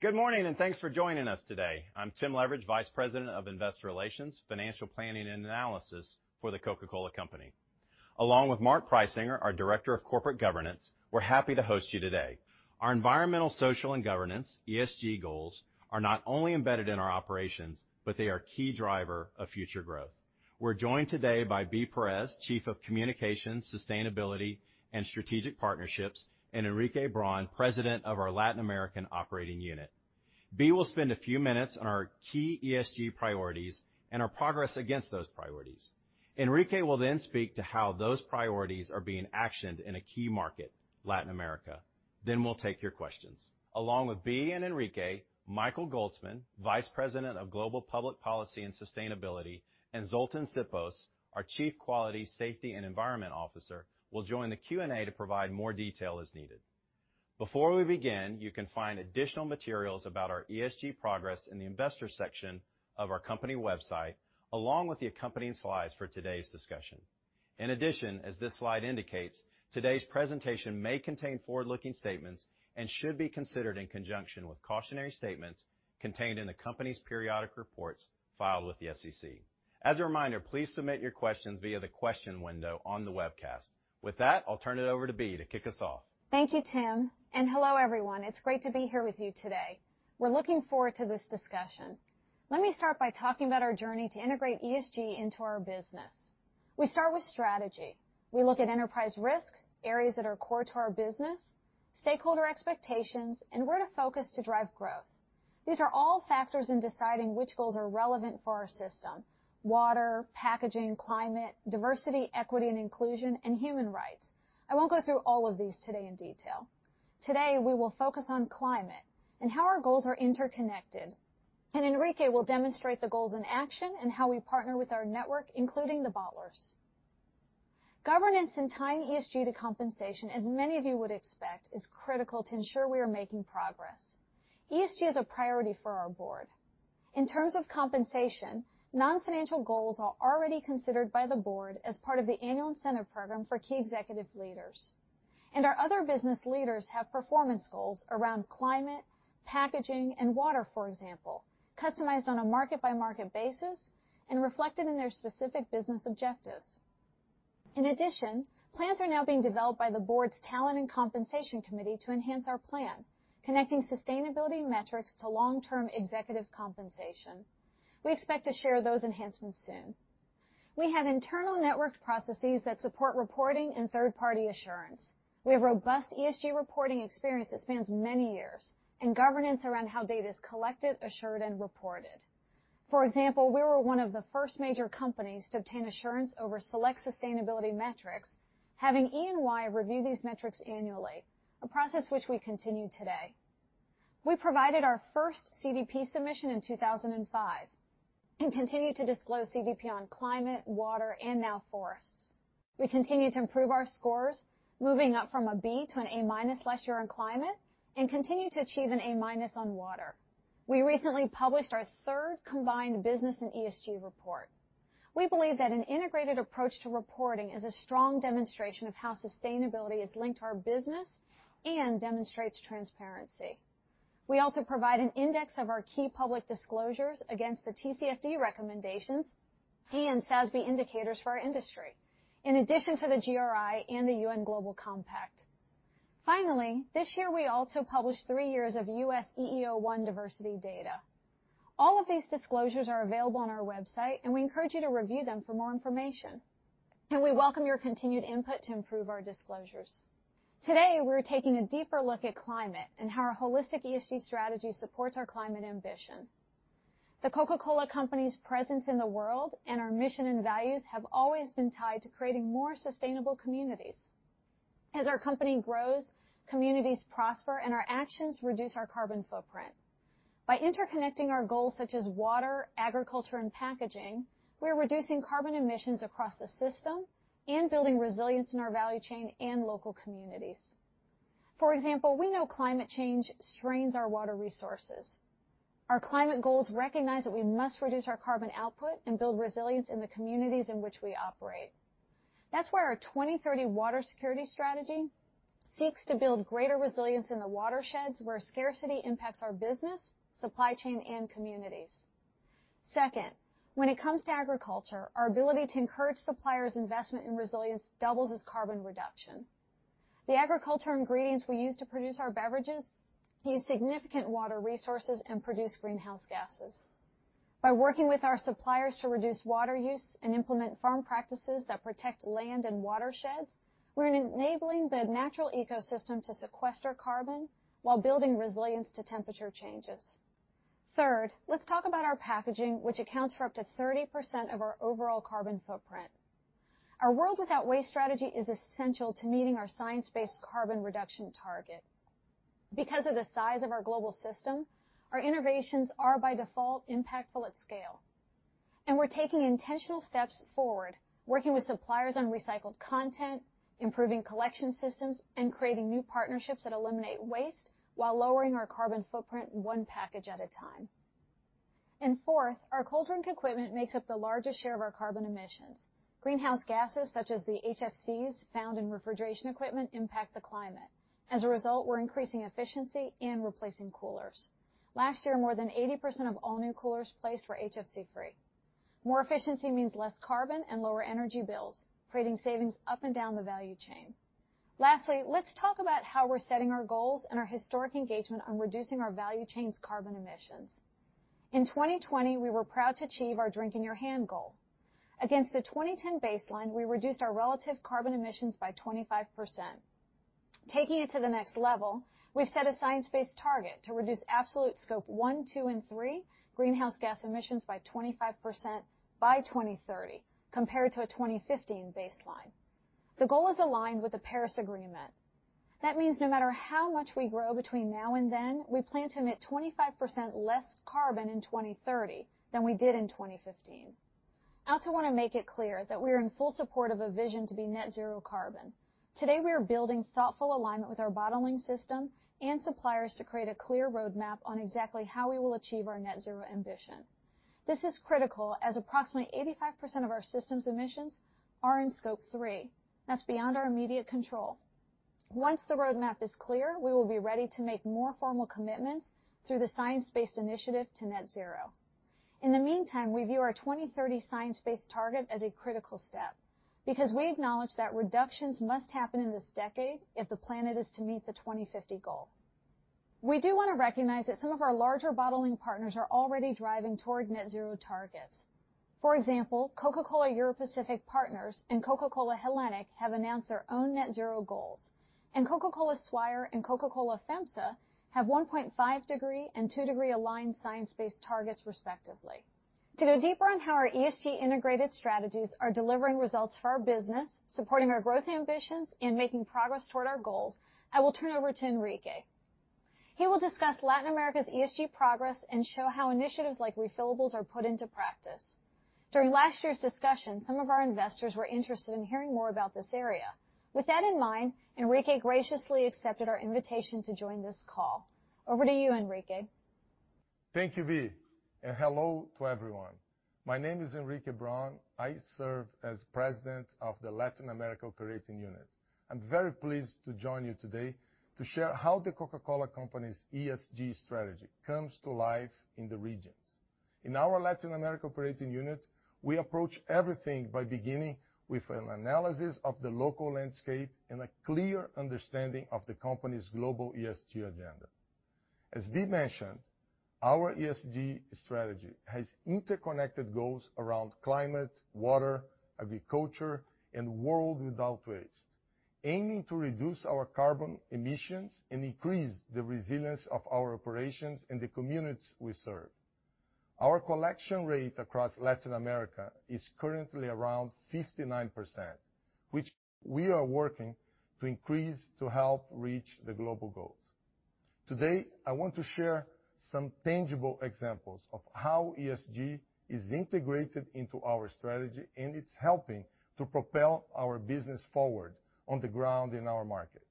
Good morning, and thanks for joining us today. I'm Tim Leveridge, Vice President of Investor Relations, Financial Planning, and Analysis for The Coca-Cola Company. Along with Mark Preisinger, our Director of Corporate Governance, we're happy to host you today. Our environmental, social, and governance, ESG, goals are not only embedded in our operations, but they are a key driver of future growth. We're joined today by Bea Perez, Chief of Communications, Sustainability, and Strategic Partnerships, and Henrique Braun, President of our Latin America Operating Unit. Bea will spend a few minutes on our key ESG priorities and our progress against those priorities. Henrique will then speak to how those priorities are being actioned in a key market, Latin America. Then we'll take your questions. Along with Bea and Henrique, Michael Goltzman, Vice President, Global Policy & Sustainability, and Zoltan Syposs, our Chief Quality, Safety, and Environment Officer, will join the Q&A to provide more detail as needed. Before we begin, you can find additional materials about our ESG progress in the investor section of our company website, along with the accompanying slides for today's discussion. In addition, as this slide indicates, today's presentation may contain forward-looking statements and should be considered in conjunction with cautionary statements contained in the company's periodic reports filed with the SEC. As a reminder, please submit your questions via the question window on the webcast. With that, I'll turn it over to Bea to kick us off. Thank you, Tim, and hello, everyone. It's great to be here with you today. We're looking forward to this discussion. Let me start by talking about our journey to integrate ESG into our business. We start with strategy. We look at enterprise risk, areas that are core to our business, stakeholder expectations, and where to focus to drive growth. These are all factors in deciding which goals are relevant for our system, water, packaging, climate, diversity, equity and inclusion, and human rights. I won't go through all of these today in detail. Today, we will focus on climate and how our goals are interconnected, and Henrique will demonstrate the goals in action and how we partner with our network, including the bottlers. Governance and tying ESG to compensation, as many of you would expect, is critical to ensure we are making progress. ESG is a priority for our board. In terms of compensation, non-financial goals are already considered by the board as part of the annual incentive program for key executive leaders. Our other business leaders have performance goals around climate, packaging, and water, for example, customized on a market-by-market basis and reflected in their specific business objectives. In addition, plans are now being developed by the board's Talent and Compensation Committee to enhance our plan, connecting sustainability metrics to long-term executive compensation. We expect to share those enhancements soon. We have internal networked processes that support reporting and third-party assurance. We have robust ESG reporting experience that spans many years and governance around how data is collected, assured, and reported. For example, we were one of the first major companies to obtain assurance over select sustainability metrics, having EY review these metrics annually, a process which we continue today. We provided our first CDP submission in 2005 and continue to disclose CDP on climate, water, and now forests. We continue to improve our scores, moving up from a B to an A-minus last year on climate and continue to achieve an A-minus on water. We recently published our third combined business and ESG report. We believe that an integrated approach to reporting is a strong demonstration of how sustainability is linked to our business and demonstrates transparency. We also provide an index of our key public disclosures against the TCFD recommendations and SASB indicators for our industry, in addition to the GRI and the UN Global Compact. Finally, this year, we also published 3 years of U.S. EEO-1 diversity data. All of these disclosures are available on our website, and we encourage you to review them for more information, and we welcome your continued input to improve our disclosures. Today, we're taking a deeper look at climate and how our holistic ESG strategy supports our climate ambition. The Coca-Cola Company's presence in the world and our mission and values have always been tied to creating more sustainable communities. As our company grows, communities prosper, and our actions reduce our carbon footprint. By interconnecting our goals such as water, agriculture, and packaging, we're reducing carbon emissions across the system and building resilience in our value chain and local communities. For example, we know climate change strains our water resources. Our climate goals recognize that we must reduce our carbon output and build resilience in the communities in which we operate. That's why our 2030 water security strategy seeks to build greater resilience in the watersheds where scarcity impacts our business, supply chain, and communities. Second, when it comes to agriculture, our ability to encourage suppliers' investment in resilience doubles as carbon reduction. The agriculture ingredients we use to produce our beverages use significant water resources and produce greenhouse gases. By working with our suppliers to reduce water use and implement farm practices that protect land and watersheds, we're enabling the natural ecosystem to sequester carbon while building resilience to temperature changes. Third, let's talk about our packaging, which accounts for up to 30% of our overall carbon footprint. Our World Without Waste strategy is essential to meeting our science-based carbon reduction target. Because of the size of our global system, our innovations are by default impactful at scale. We're taking intentional steps forward, working with suppliers on recycled content, improving collection systems, and creating new partnerships that eliminate waste while lowering our carbon footprint one package at a time. Fourth, our cold drink equipment makes up the largest share of our carbon emissions. Greenhouse gases, such as the HFCs found in refrigeration equipment, impact the climate. As a result, we're increasing efficiency and replacing coolers. Last year, more than 80% of all new coolers placed were HFC-free. More efficiency means less carbon and lower energy bills, creating savings up and down the value chain. Lastly, let's talk about how we're setting our goals and our historic engagement on reducing our value chain's carbon emissions. In 2020, we were proud to achieve our Drink in Your Hand goal. Against the 2010 baseline, we reduced our relative carbon emissions by 25%. Taking it to the next level, we've set a science-based target to reduce absolute Scope 1, 2, and 3 greenhouse gas emissions by 25% by 2030 compared to a 2015 baseline. The goal is aligned with the Paris Agreement. That means no matter how much we grow between now and then, we plan to emit 25% less carbon in 2030 than we did in 2015. I also wanna make it clear that we're in full support of a vision to be net zero carbon. Today, we are building thoughtful alignment with our bottling system and suppliers to create a clear roadmap on exactly how we will achieve our net zero ambition. This is critical as approximately 85% of our systems emissions are in Scope 3. That's beyond our immediate control. Once the roadmap is clear, we will be ready to make more formal commitments through the science-based initiative to net zero. In the meantime, we view our 2030 science-based target as a critical step because we acknowledge that reductions must happen in this decade if the planet is to meet the 2050 goal. We do wanna recognize that some of our larger bottling partners are already driving toward net zero targets. For example, Coca-Cola Europacific Partners and Coca-Cola HBC have announced their own net zero goals, and Swire Coca-Cola and Coca-Cola FEMSA have 1.5-degree and 2-degree aligned science-based targets, respectively. To go deeper on how our ESG integrated strategies are delivering results for our business, supporting our growth ambitions, and making progress toward our goals, I will turn over to Henrique. He will discuss Latin America's ESG progress and show how initiatives like refillables are put into practice. During last year's discussion, some of our investors were interested in hearing more about this area. With that in mind, Henrique graciously accepted our invitation to join this call. Over to you, Henrique. Thank you, Bea, and hello to everyone. My name is Henrique Braun. I serve as president of the Latin America Operating Unit. I'm very pleased to join you today to share how The Coca-Cola Company's ESG strategy comes to life in the regions. In our Latin America operating unit, we approach everything by beginning with an analysis of the local landscape and a clear understanding of the company's global ESG agenda. As Bea mentioned, our ESG strategy has interconnected goals around climate, water, agriculture, and World Without Waste, aiming to reduce our carbon emissions and increase the resilience of our operations in the communities we serve. Our collection rate across Latin America is currently around 59%, which we are working to increase to help reach the global goals. Today, I want to share some tangible examples of how ESG is integrated into our strategy, and it's helping to propel our business forward on the ground in our markets.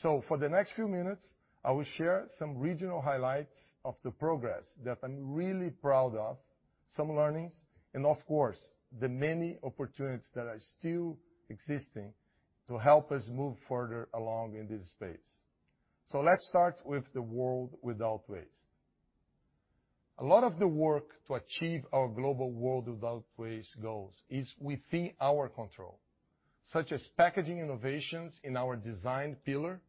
For the next few minutes, I will share some regional highlights of the progress that I'm really proud of, some learnings, and of course, the many opportunities that are still existing to help us move further along in this space. Let's start with the World Without Waste. A lot of the work to achieve our global World Without Waste goals is within our control, such as packaging innovations in our design pillar,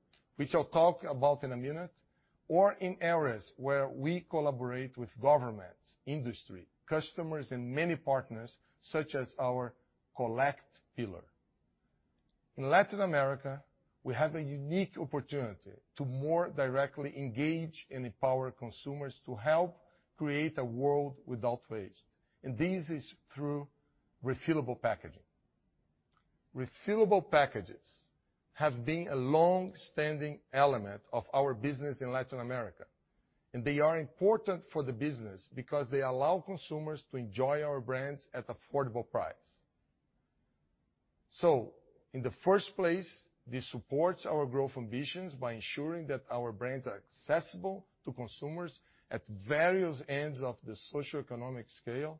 which I'll talk about in a minute, or in areas where we collaborate with governments, industry, customers, and many partners, such as our Collect pillar. In Latin America, we have a unique opportunity to more directly engage and empower consumers to help create a World Without Waste, and this is through refillable packaging. Refillable packages have been a long-standing element of our business in Latin America, and they are important for the business because they allow consumers to enjoy our brands at affordable price. In the first place, this supports our growth ambitions by ensuring that our brands are accessible to consumers at various ends of the socioeconomic scale.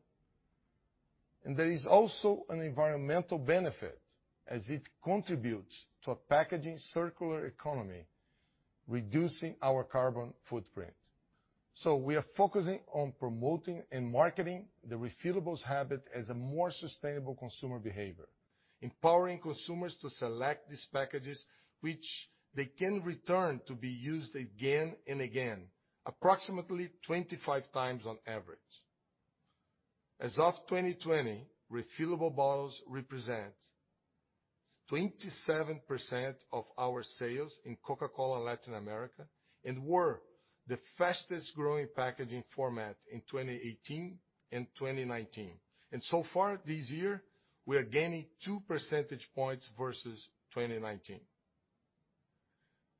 There is also an environmental benefit as it contributes to a packaging circular economy, reducing our carbon footprint. We are focusing on promoting and marketing the refillables habit as a more sustainable consumer behavior, empowering consumers to select these packages, which they can return to be used again and again, approximately 25 times on average. As of 2020, refillable bottles represent 27% of our sales in Coca-Cola Latin America and were the fastest-growing packaging format in 2018 and 2019. So far this year, we are gaining 2 percentage points versus 2019.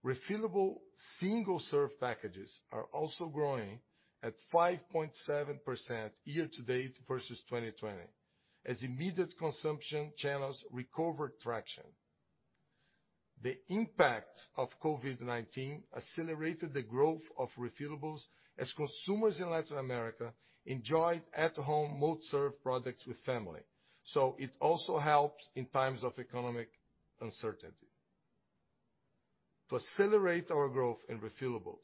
Refillable single-serve packages are also growing at 5.7% year-to-date versus 2020 as immediate consumption channels recover traction. The impact of COVID-19 accelerated the growth of refillables as consumers in Latin America enjoyed at-home multi-serve products with family, so it also helps in times of economic uncertainty. To accelerate our growth in refillables,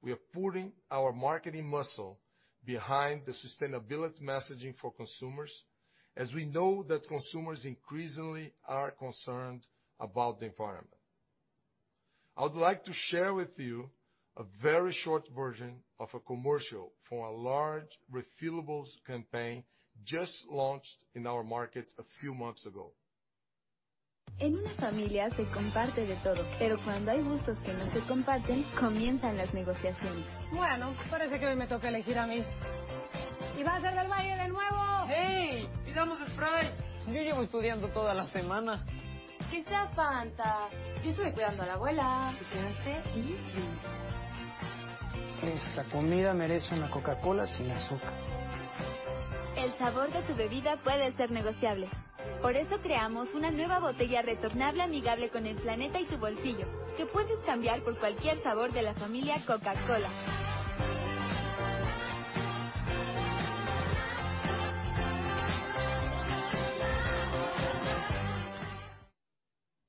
we are putting our marketing muscle behind the sustainability messaging for consumers, as we know that consumers increasingly are concerned about the environment. I would like to share with you a very short version of a commercial for a large refillables campaign just launched in our markets a few months ago.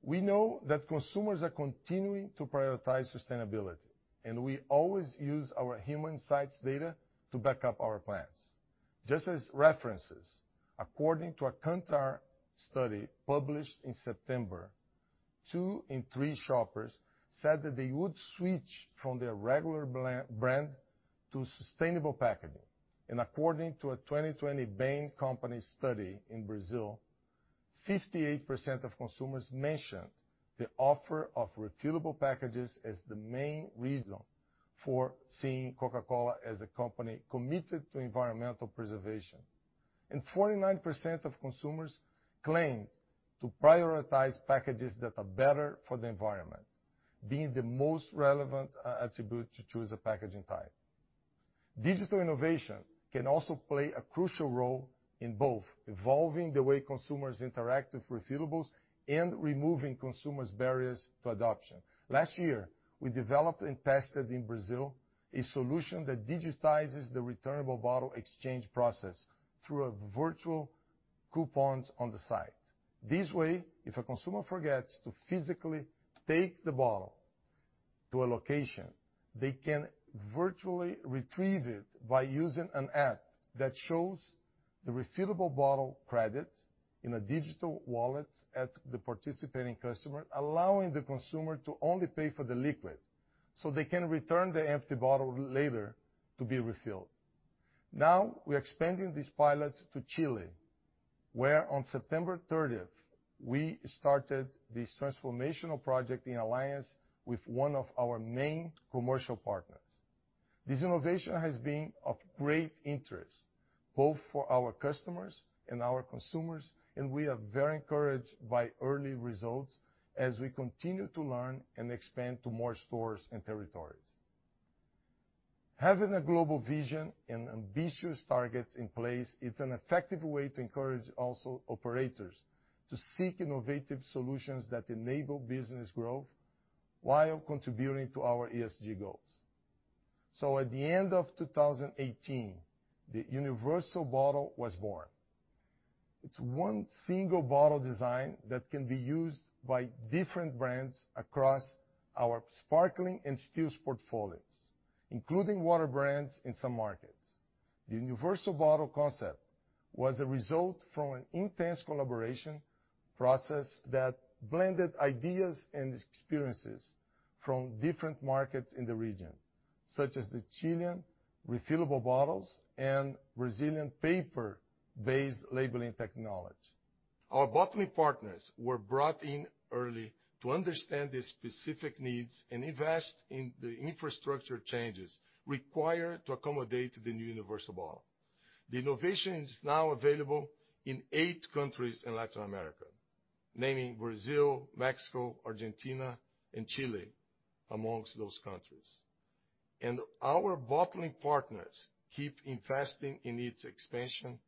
We know that consumers are continuing to prioritize sustainability, and we always use our human insights data to back up our plans. Just as references, according to a Kantar study published in September, two in three shoppers said that they would switch from their regular brand to sustainable packaging. According to a 2020 Bain & Company study in Brazil, 58% of consumers mentioned the offer of refillable packages as the main reason for seeing Coca-Cola as a company committed to environmental preservation. 49% of consumers claim to prioritize packages that are better for the environment, being the most relevant attribute to choose a packaging type. Digital innovation can also play a crucial role in both evolving the way consumers interact with refillables and removing consumers' barriers to adoption. Last year, we developed and tested in Brazil a solution that digitizes the returnable bottle exchange process through a virtual coupons on the site. This way, if a consumer forgets to physically take the bottle to a location, they can virtually retrieve it by using an app that shows the refillable bottle credit in a digital wallet at the participating customer, allowing the consumer to only pay for the liquid, so they can return the empty bottle later to be refilled. Now we're expanding this pilot to Chile, where on September thirtieth, we started this transformational project in alliance with one of our main commercial partners. This innovation has been of great interest both for our customers and our consumers, and we are very encouraged by early results as we continue to learn and expand to more stores and territories. Having a global vision and ambitious targets in place is an effective way to encourage also operators to seek innovative solutions that enable business growth while contributing to our ESG goals. At the end of 2018, the Universal Bottle was born. It's one single bottle design that can be used by different brands across our sparkling and still portfolios, including water brands in some markets. The Universal Bottle concept was a result from an intense collaboration process that blended ideas and experiences from different markets in the region, such as the Chilean refillable bottles and resilient paper-based labeling technology. Our bottling partners were brought in early to understand the specific needs and invest in the infrastructure changes required to accommodate the new Universal Bottle. The innovation is now available in 8 countries in Latin America, namely Brazil, Mexico, Argentina and Chile among those countries. Our bottling partners keep investing in its expansion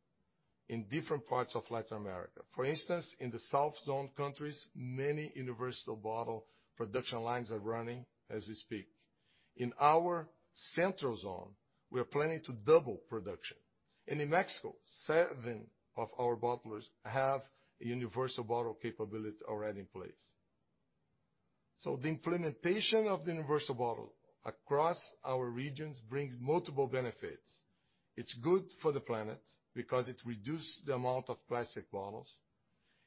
in different parts of Latin America. For instance, in the South zone countries, many Universal Bottle production lines are running as we speak. In our Central zone, we're planning to double production. In Mexico, seven of our bottlers have Universal Bottle capability already in place. The implementation of the Universal Bottle across our regions brings multiple benefits. It's good for the planet because it reduced the amount of plastic bottles.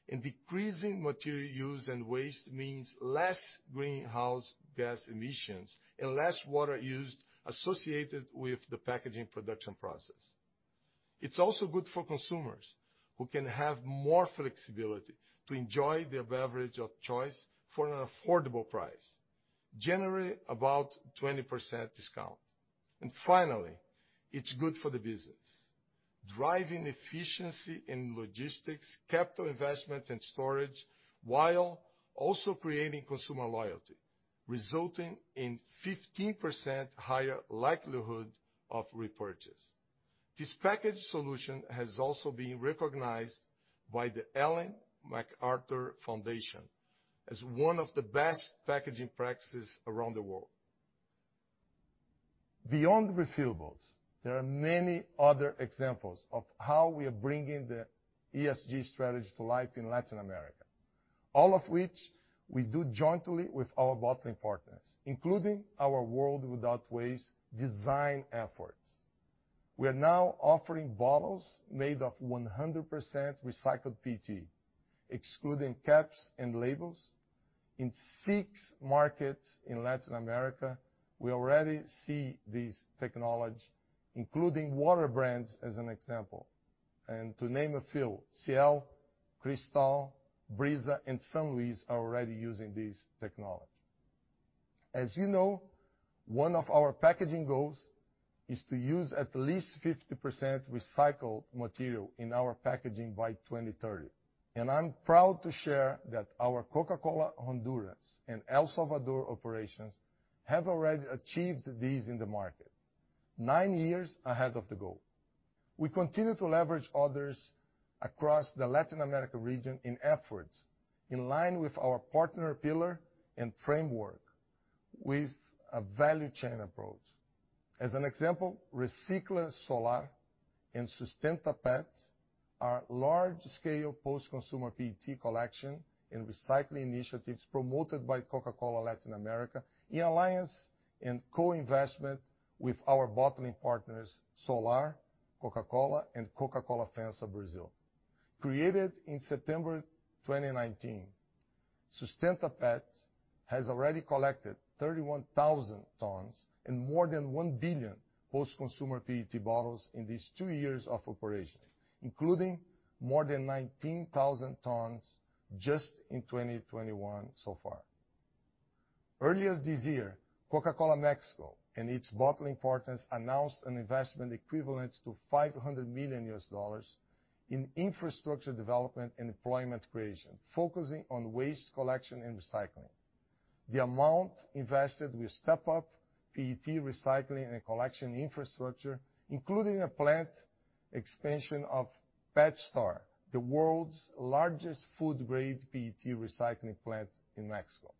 Decreasing material use and waste means less greenhouse gas emissions and less water used associated with the packaging production process. It's also good for consumers, who can have more flexibility to enjoy their beverage of choice for an affordable price, generally about 20% discount. Finally, it's good for the business, driving efficiency in logistics, capital investments and storage, while also creating consumer loyalty, resulting in 15% higher likelihood of repurchase. This package solution has also been recognized by the Ellen MacArthur Foundation as one of the best packaging practices around the world. Beyond refillables, there are many other examples of how we are bringing the ESG strategy to life in Latin America, all of which we do jointly with our bottling partners, including our World Without Waste design efforts. We are now offering bottles made of 100% recycled PET, excluding caps and labels. In six markets in Latin America, we already see this technology, including water brands as an example. To name a few, Ciel, Cristal, Brisa, and San Luis are already using this technology. As you know, one of our packaging goals is to use at least 50% recycled material in our packaging by 2030, and I'm proud to share that our Coca-Cola Honduras and El Salvador operations have already achieved this in the market, 9 years ahead of the goal. We continue to leverage others across the Latin America region in efforts in line with our partner pillar and framework with a value chain approach. As an example, Recicla Solar and SUSTENTAPET are large-scale post-consumer PET collection and recycling initiatives promoted by Coca-Cola Latin America in alliance and co-investment with our bottling partners, Solar Coca-Cola and Coca-Cola FEMSA Brazil. Created in September 2019, SUSTENTAPET has already collected 31,000 tons and more than 1 billion post-consumer PET bottles in these 2 years of operation, including more than 19,000 tons just in 2021 so far. Earlier this year, Coca-Cola Mexico and its bottling partners announced an investment equivalent to $500 million in infrastructure development and employment creation, focusing on waste collection and recycling. The amount invested will step up PET recycling and collection infrastructure, including a plant expansion of PetStar, the world's largest food-grade PET recycling plant in Mexico.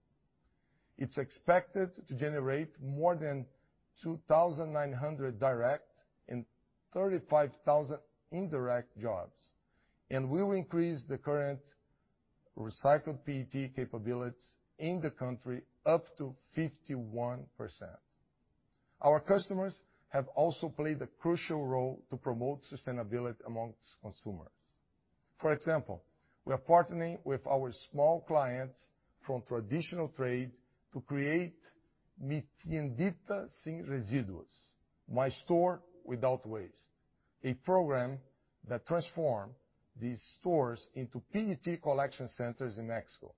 It's expected to generate more than 2,900 direct and 35,000 indirect jobs and will increase the current recycled PET capabilities in the country up to 51%. Our customers have also played a crucial role to promote sustainability amongst consumers. For example, we are partnering with our small clients from traditional trade to create Mi Tiendita Sin Residuos, My Store Without Waste, a program that transform these stores into PET collection centers in Mexico,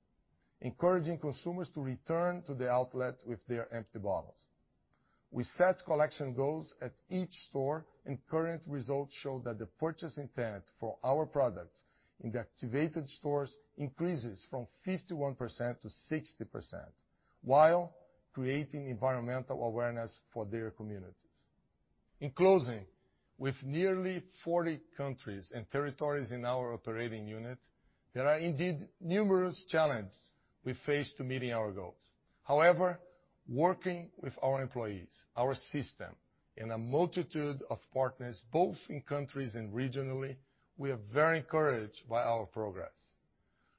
encouraging consumers to return to the outlet with their empty bottles. We set collection goals at each store, and current results show that the purchase intent for our products in the activated stores increases from 51% to 60% while creating environmental awareness for their communities. In closing, with nearly 40 countries and territories in our operating unit, there are indeed numerous challenges we face to meeting our goals. However, working with our employees, our system, and a multitude of partners, both in countries and regionally, we are very encouraged by our progress.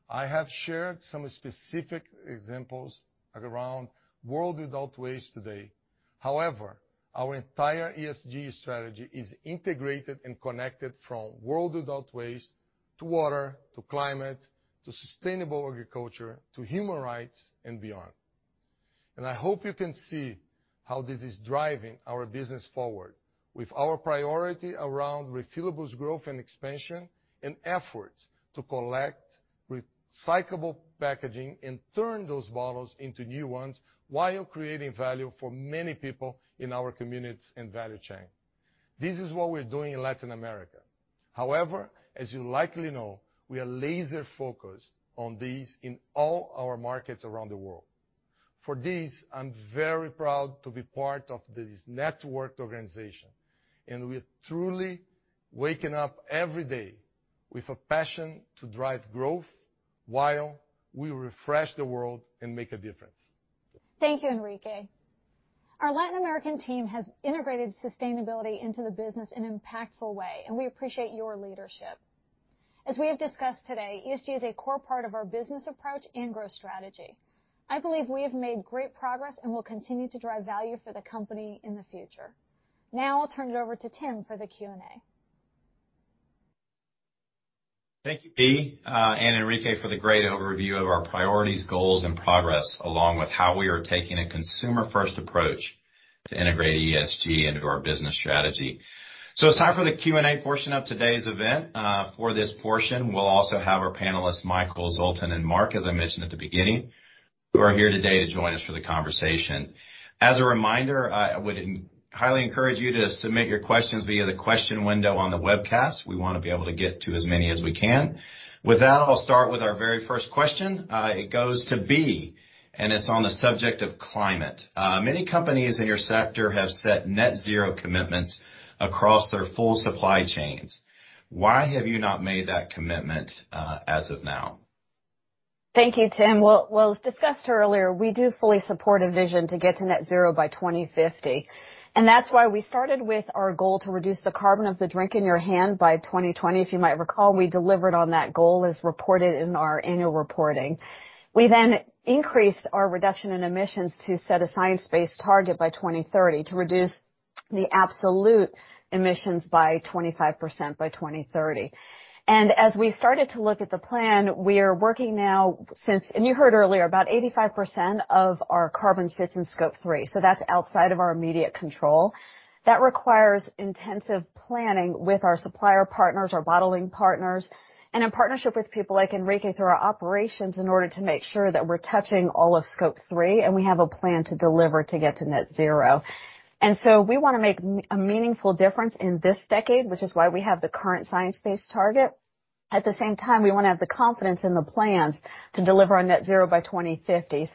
I have shared some specific examples around World Without Waste today. However, our entire ESG strategy is integrated and connected from World Without Waste, to water, to climate, to sustainable agriculture, to human rights and beyond. I hope you can see how this is driving our business forward with our priority around refillables growth and expansion and efforts to collect recyclable packaging and turn those bottles into new ones while creating value for many people in our communities and value chain. This is what we're doing in Latin America. However, as you likely know, we are laser-focused on this in all our markets around the world. For this, I'm very proud to be part of this networked organization, and we're truly waking up every day with a passion to drive growth while we refresh the world and make a difference. Thank you, Henrique. Our Latin American team has integrated sustainability into the business in an impactful way, and we appreciate your leadership. As we have discussed today, ESG is a core part of our business approach and growth strategy. I believe we have made great progress and will continue to drive value for the company in the future. Now, I'll turn it over to Tim for the Q&A. Thank you, Bea, and Henrique for the great overview of our priorities, goals, and progress, along with how we are taking a consumer-first approach to integrate ESG into our business strategy. It's time for the Q&A portion of today's event. For this portion, we'll also have our panelists, Michael, Zoltan, and Mark, as I mentioned at the beginning, who are here today to join us for the conversation. As a reminder, I would highly encourage you to submit your questions via the question window on the webcast. We wanna be able to get to as many as we can. With that, I'll start with our very first question. It goes to B, and it's on the subject of climate. Many companies in your sector have set net zero commitments across their full supply chains. Why have you not made that commitment, as of now? Thank you, Tim. Well, as discussed earlier, we do fully support a vision to get to net zero by 2050. That's why we started with our goal to reduce the carbon of the drink in your hand by 2020. If you might recall, we delivered on that goal as reported in our annual reporting. We then increased our reduction in emissions to set a science-based target by 2030 to reduce the absolute emissions by 25% by 2030. As we started to look at the plan, we are working now, and you heard earlier, about 85% of our carbon sits in Scope 3, so that's outside of our immediate control. That requires intensive planning with our supplier partners, our bottling partners, and in partnership with people like Henrique Braun through our operations in order to make sure that we're touching all of Scope 3, and we have a plan to deliver to get to net zero. We wanna make a meaningful difference in this decade, which is why we have the current science-based target. At the same time, we wanna have the confidence in the plans to deliver on net zero by 2050.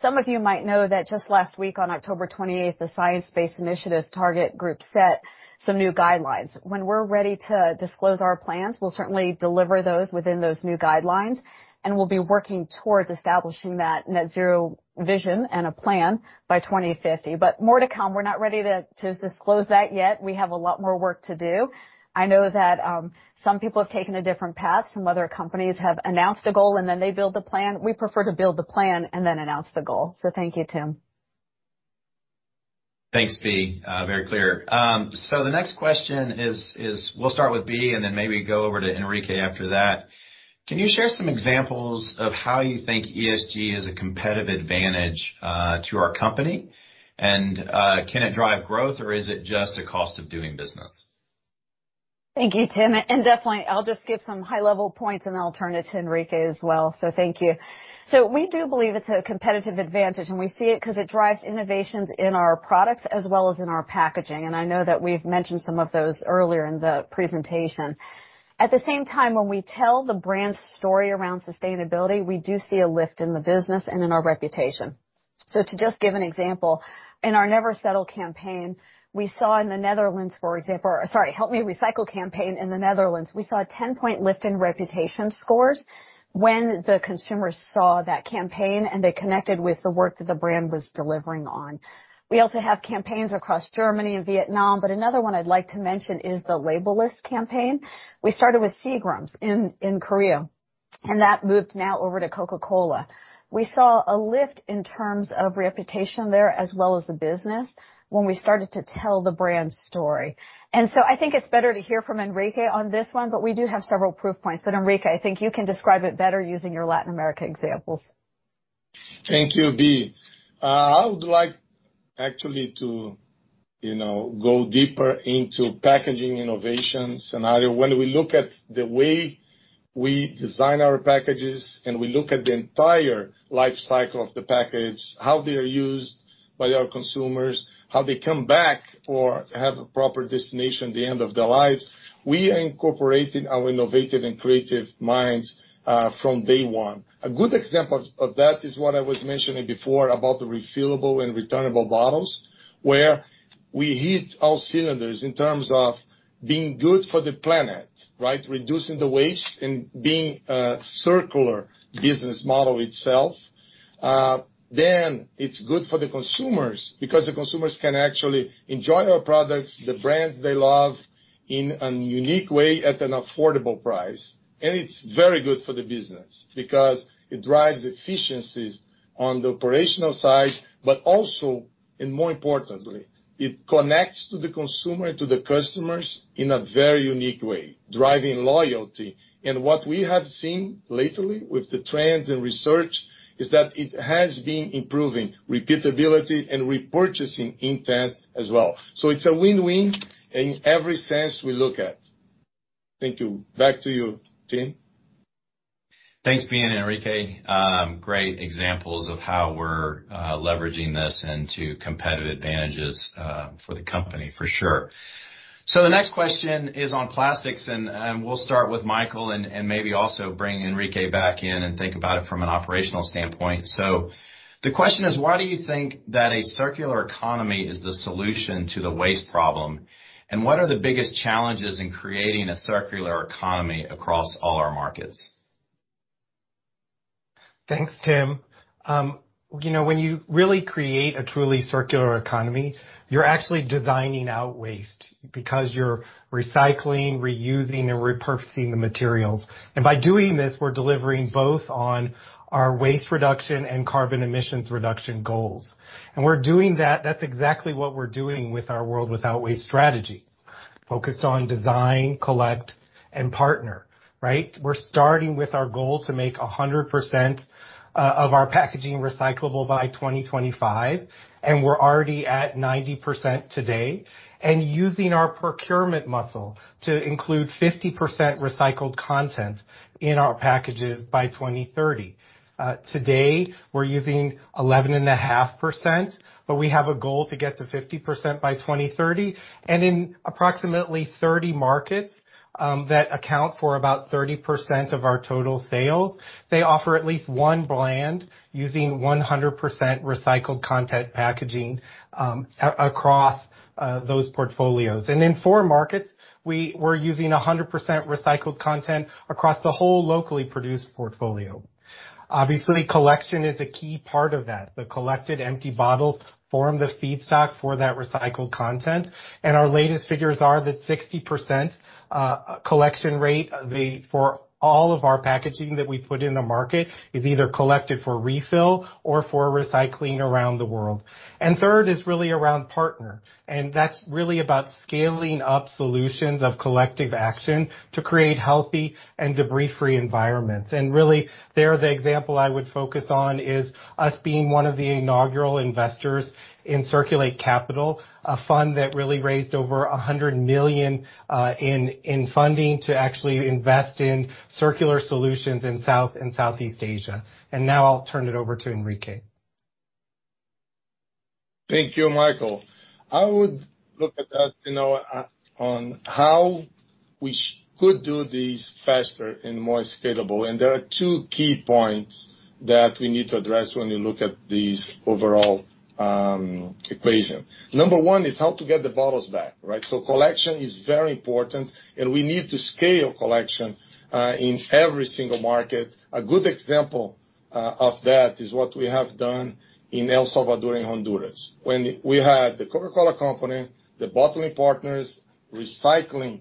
Some of you might know that just last week, on October 28, the Science Based Targets initiative set some new guidelines. When we're ready to disclose our plans, we'll certainly deliver those within those new guidelines, and we'll be working towards establishing that net zero vision and a plan by 2050. More to come. We're not ready to disclose that yet. We have a lot more work to do. I know that some people have taken a different path. Some other companies have announced the goal and then they build the plan. We prefer to build the plan and then announce the goal. Thank you, Tim. Thanks, Bea. Very clear. The next question is, we'll start with Bea and then maybe go over to Henrique after that. Can you share some examples of how you think ESG is a competitive advantage to our company? And can it drive growth, or is it just a cost of doing business? Thank you, Tim, and definitely. I'll just give some high-level points and then I'll turn it to Henrique as well. Thank you. We do believe it's a competitive advantage, and we see it 'cause it drives innovations in our products as well as in our packaging. I know that we've mentioned some of those earlier in the presentation. At the same time, when we tell the brand's story around sustainability, we do see a lift in the business and in our reputation. To just give an example, in our Help Me Recycle campaign in the Netherlands, we saw a 10-point lift in reputation scores when the consumers saw that campaign, and they connected with the work that the brand was delivering on. We also have campaigns across Germany and Vietnam, but another one I'd like to mention is the label-less campaign. We started with Seagram's in Korea, and that moved now over to Coca-Cola. We saw a lift in terms of reputation there as well as the business when we started to tell the brand's story. I think it's better to hear from Henrique on this one, but we do have several proof points. Henrique, I think you can describe it better using your Latin America examples. Thank you, Bea. I would like actually to, you know, go deeper into packaging innovation scenario. When we look at the way we design our packages, and we look at the entire life cycle of the package, how they are used by our consumers, how they come back or have a proper destination at the end of their lives, we are incorporating our innovative and creative minds from day one. A good example of that is what I was mentioning before about the refillable and returnable bottles, where we hit all cylinders in terms of being good for the planet, right. Reducing the waste and being a circular business model itself. Then it's good for the consumers because the consumers can actually enjoy our products, the brands they love, in an unique way at an affordable price. It's very good for the business because it drives efficiencies on the operational side, but also, and more importantly, it connects to the consumer and to the customers in a very unique way, driving loyalty. What we have seen lately with the trends and research is that it has been improving repeatability and repurchasing intent as well. It's a win-win in every sense we look at. Thank you. Back to you, Tim. Thanks, Bea and Henrique. Great examples of how we're leveraging this into competitive advantages for the company for sure. The next question is on plastics, and we'll start with Michael and maybe also bring Henrique back in and think about it from an operational standpoint. The question is, why do you think that a circular economy is the solution to the waste problem? And what are the biggest challenges in creating a circular economy across all our markets? Thanks, Tim. You know, when you really create a truly circular economy, you're actually designing out waste because you're recycling, reusing, and repurposing the materials. By doing this, we're delivering both on our waste reduction and carbon emissions reduction goals. We're doing that. That's exactly what we're doing with our World Without Waste strategy, focused on design, collect, and partner, right? We're starting with our goal to make 100% of our packaging recyclable by 2025, and we're already at 90% today. Using our procurement muscle to include 50% recycled content in our packages by 2030. Today, we're using 11.5%, but we have a goal to get to 50% by 2030. In approximately 30 markets that account for about 30% of our total sales, they offer at least one brand using 100% recycled content packaging across those portfolios. In 4 markets, we're using 100% recycled content across the whole locally produced portfolio. Obviously, collection is a key part of that. The collected empty bottles form the feedstock for that recycled content. Our latest figures are that 60% collection rate for all of our packaging that we put in the market is either collected for refill or for recycling around the world. Third is really around partner. That's really about scaling up solutions of collective action to create healthy and debris-free environments. Really, there, the example I would focus on is us being one of the inaugural investors in Circulate Capital, a fund that really raised over $100 million in funding to actually invest in circular solutions in South and Southeast Asia. Now I'll turn it over to Henrique. Thank you, Michael. I would look at that, you know, on how we could do this faster and more scalable. There are two key points that we need to address when you look at this overall equation. Number one is how to get the bottles back, right? Collection is very important, and we need to scale collection in every single market. A good example of that is what we have done in El Salvador and Honduras. When we had The Coca-Cola Company, the bottling partners, recycling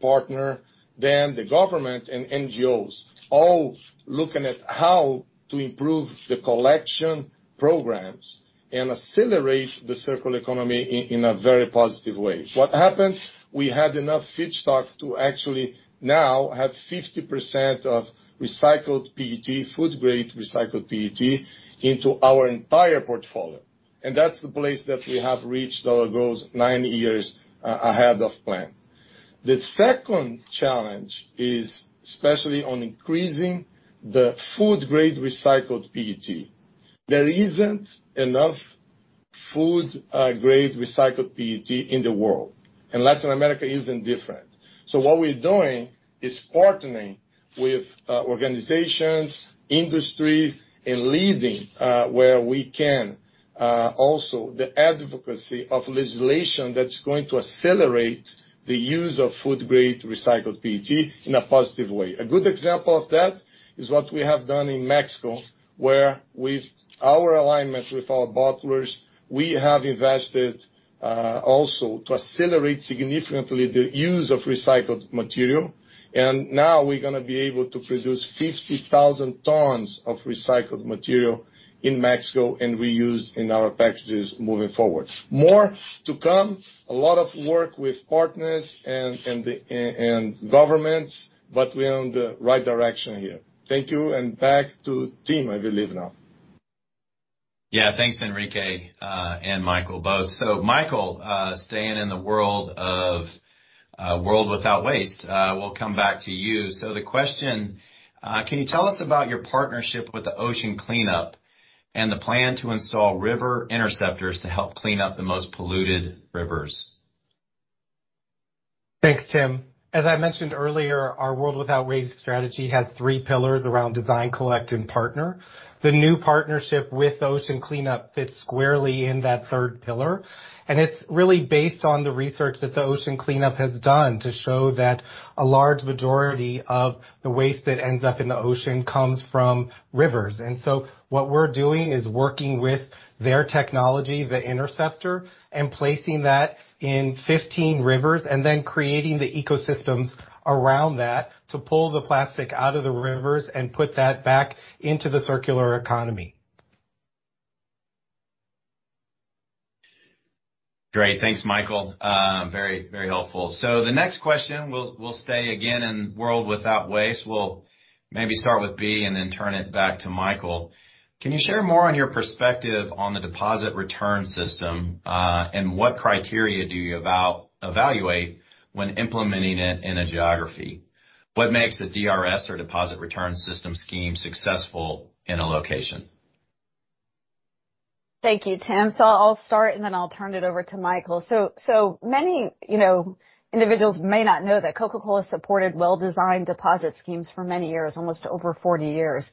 partner, then the government and NGOs, all looking at how to improve the collection programs and accelerate the circular economy in a very positive way. What happened, we had enough feedstock to actually now have 50% of recycled PET, food grade recycled PET, into our entire portfolio. That's the place that we have reached our goals 9 years ahead of plan. The second challenge is especially on increasing the food-grade recycled PET. There isn't enough food-grade recycled PET in the world, and Latin America isn't different. What we're doing is partnering with organizations, industry, and leading where we can also the advocacy of legislation that's going to accelerate the use of food-grade recycled PET in a positive way. A good example of that is what we have done in Mexico, where with our alignment with our bottlers, we have invested also to accelerate significantly the use of recycled material. Now we're gonna be able to produce 50,000 tons of recycled material in Mexico and reuse in our packages moving forward. More to come, a lot of work with partners and the governments, but we're on the right direction here. Thank you, and back to Tim, I believe now. Yeah. Thanks, Henrique and Michael, both. Michael, staying in the world of World Without Waste, we'll come back to you. The question, can you tell us about your partnership with The Ocean Cleanup and the plan to install river Interceptors to help clean up the most polluted rivers? Thanks, Tim. As I mentioned earlier, our World Without Waste strategy has three pillars around design, collect, and partner. The new partnership with The Ocean Cleanup fits squarely in that third pillar, and it's really based on the research that The Ocean Cleanup has done to show that a large majority of the waste that ends up in the ocean comes from rivers. What we're doing is working with their technology, the Interceptor, and placing that in 15 rivers and then creating the ecosystems around that to pull the plastic out of the rivers and put that back into the circular economy. Great. Thanks, Michael. Very, very helpful. The next question, we'll stay again in World Without Waste. We'll maybe start with Bea and then turn it back to Michael. Can you share more on your perspective on the deposit return system, and what criteria do you evaluate when implementing it in a geography? What makes a DRS or deposit return system scheme successful in a location? Thank you, Tim. I'll start, and then I'll turn it over to Michael. Many, you know, individuals may not know that Coca-Cola supported well-designed deposit schemes for many years, almost over 40 years.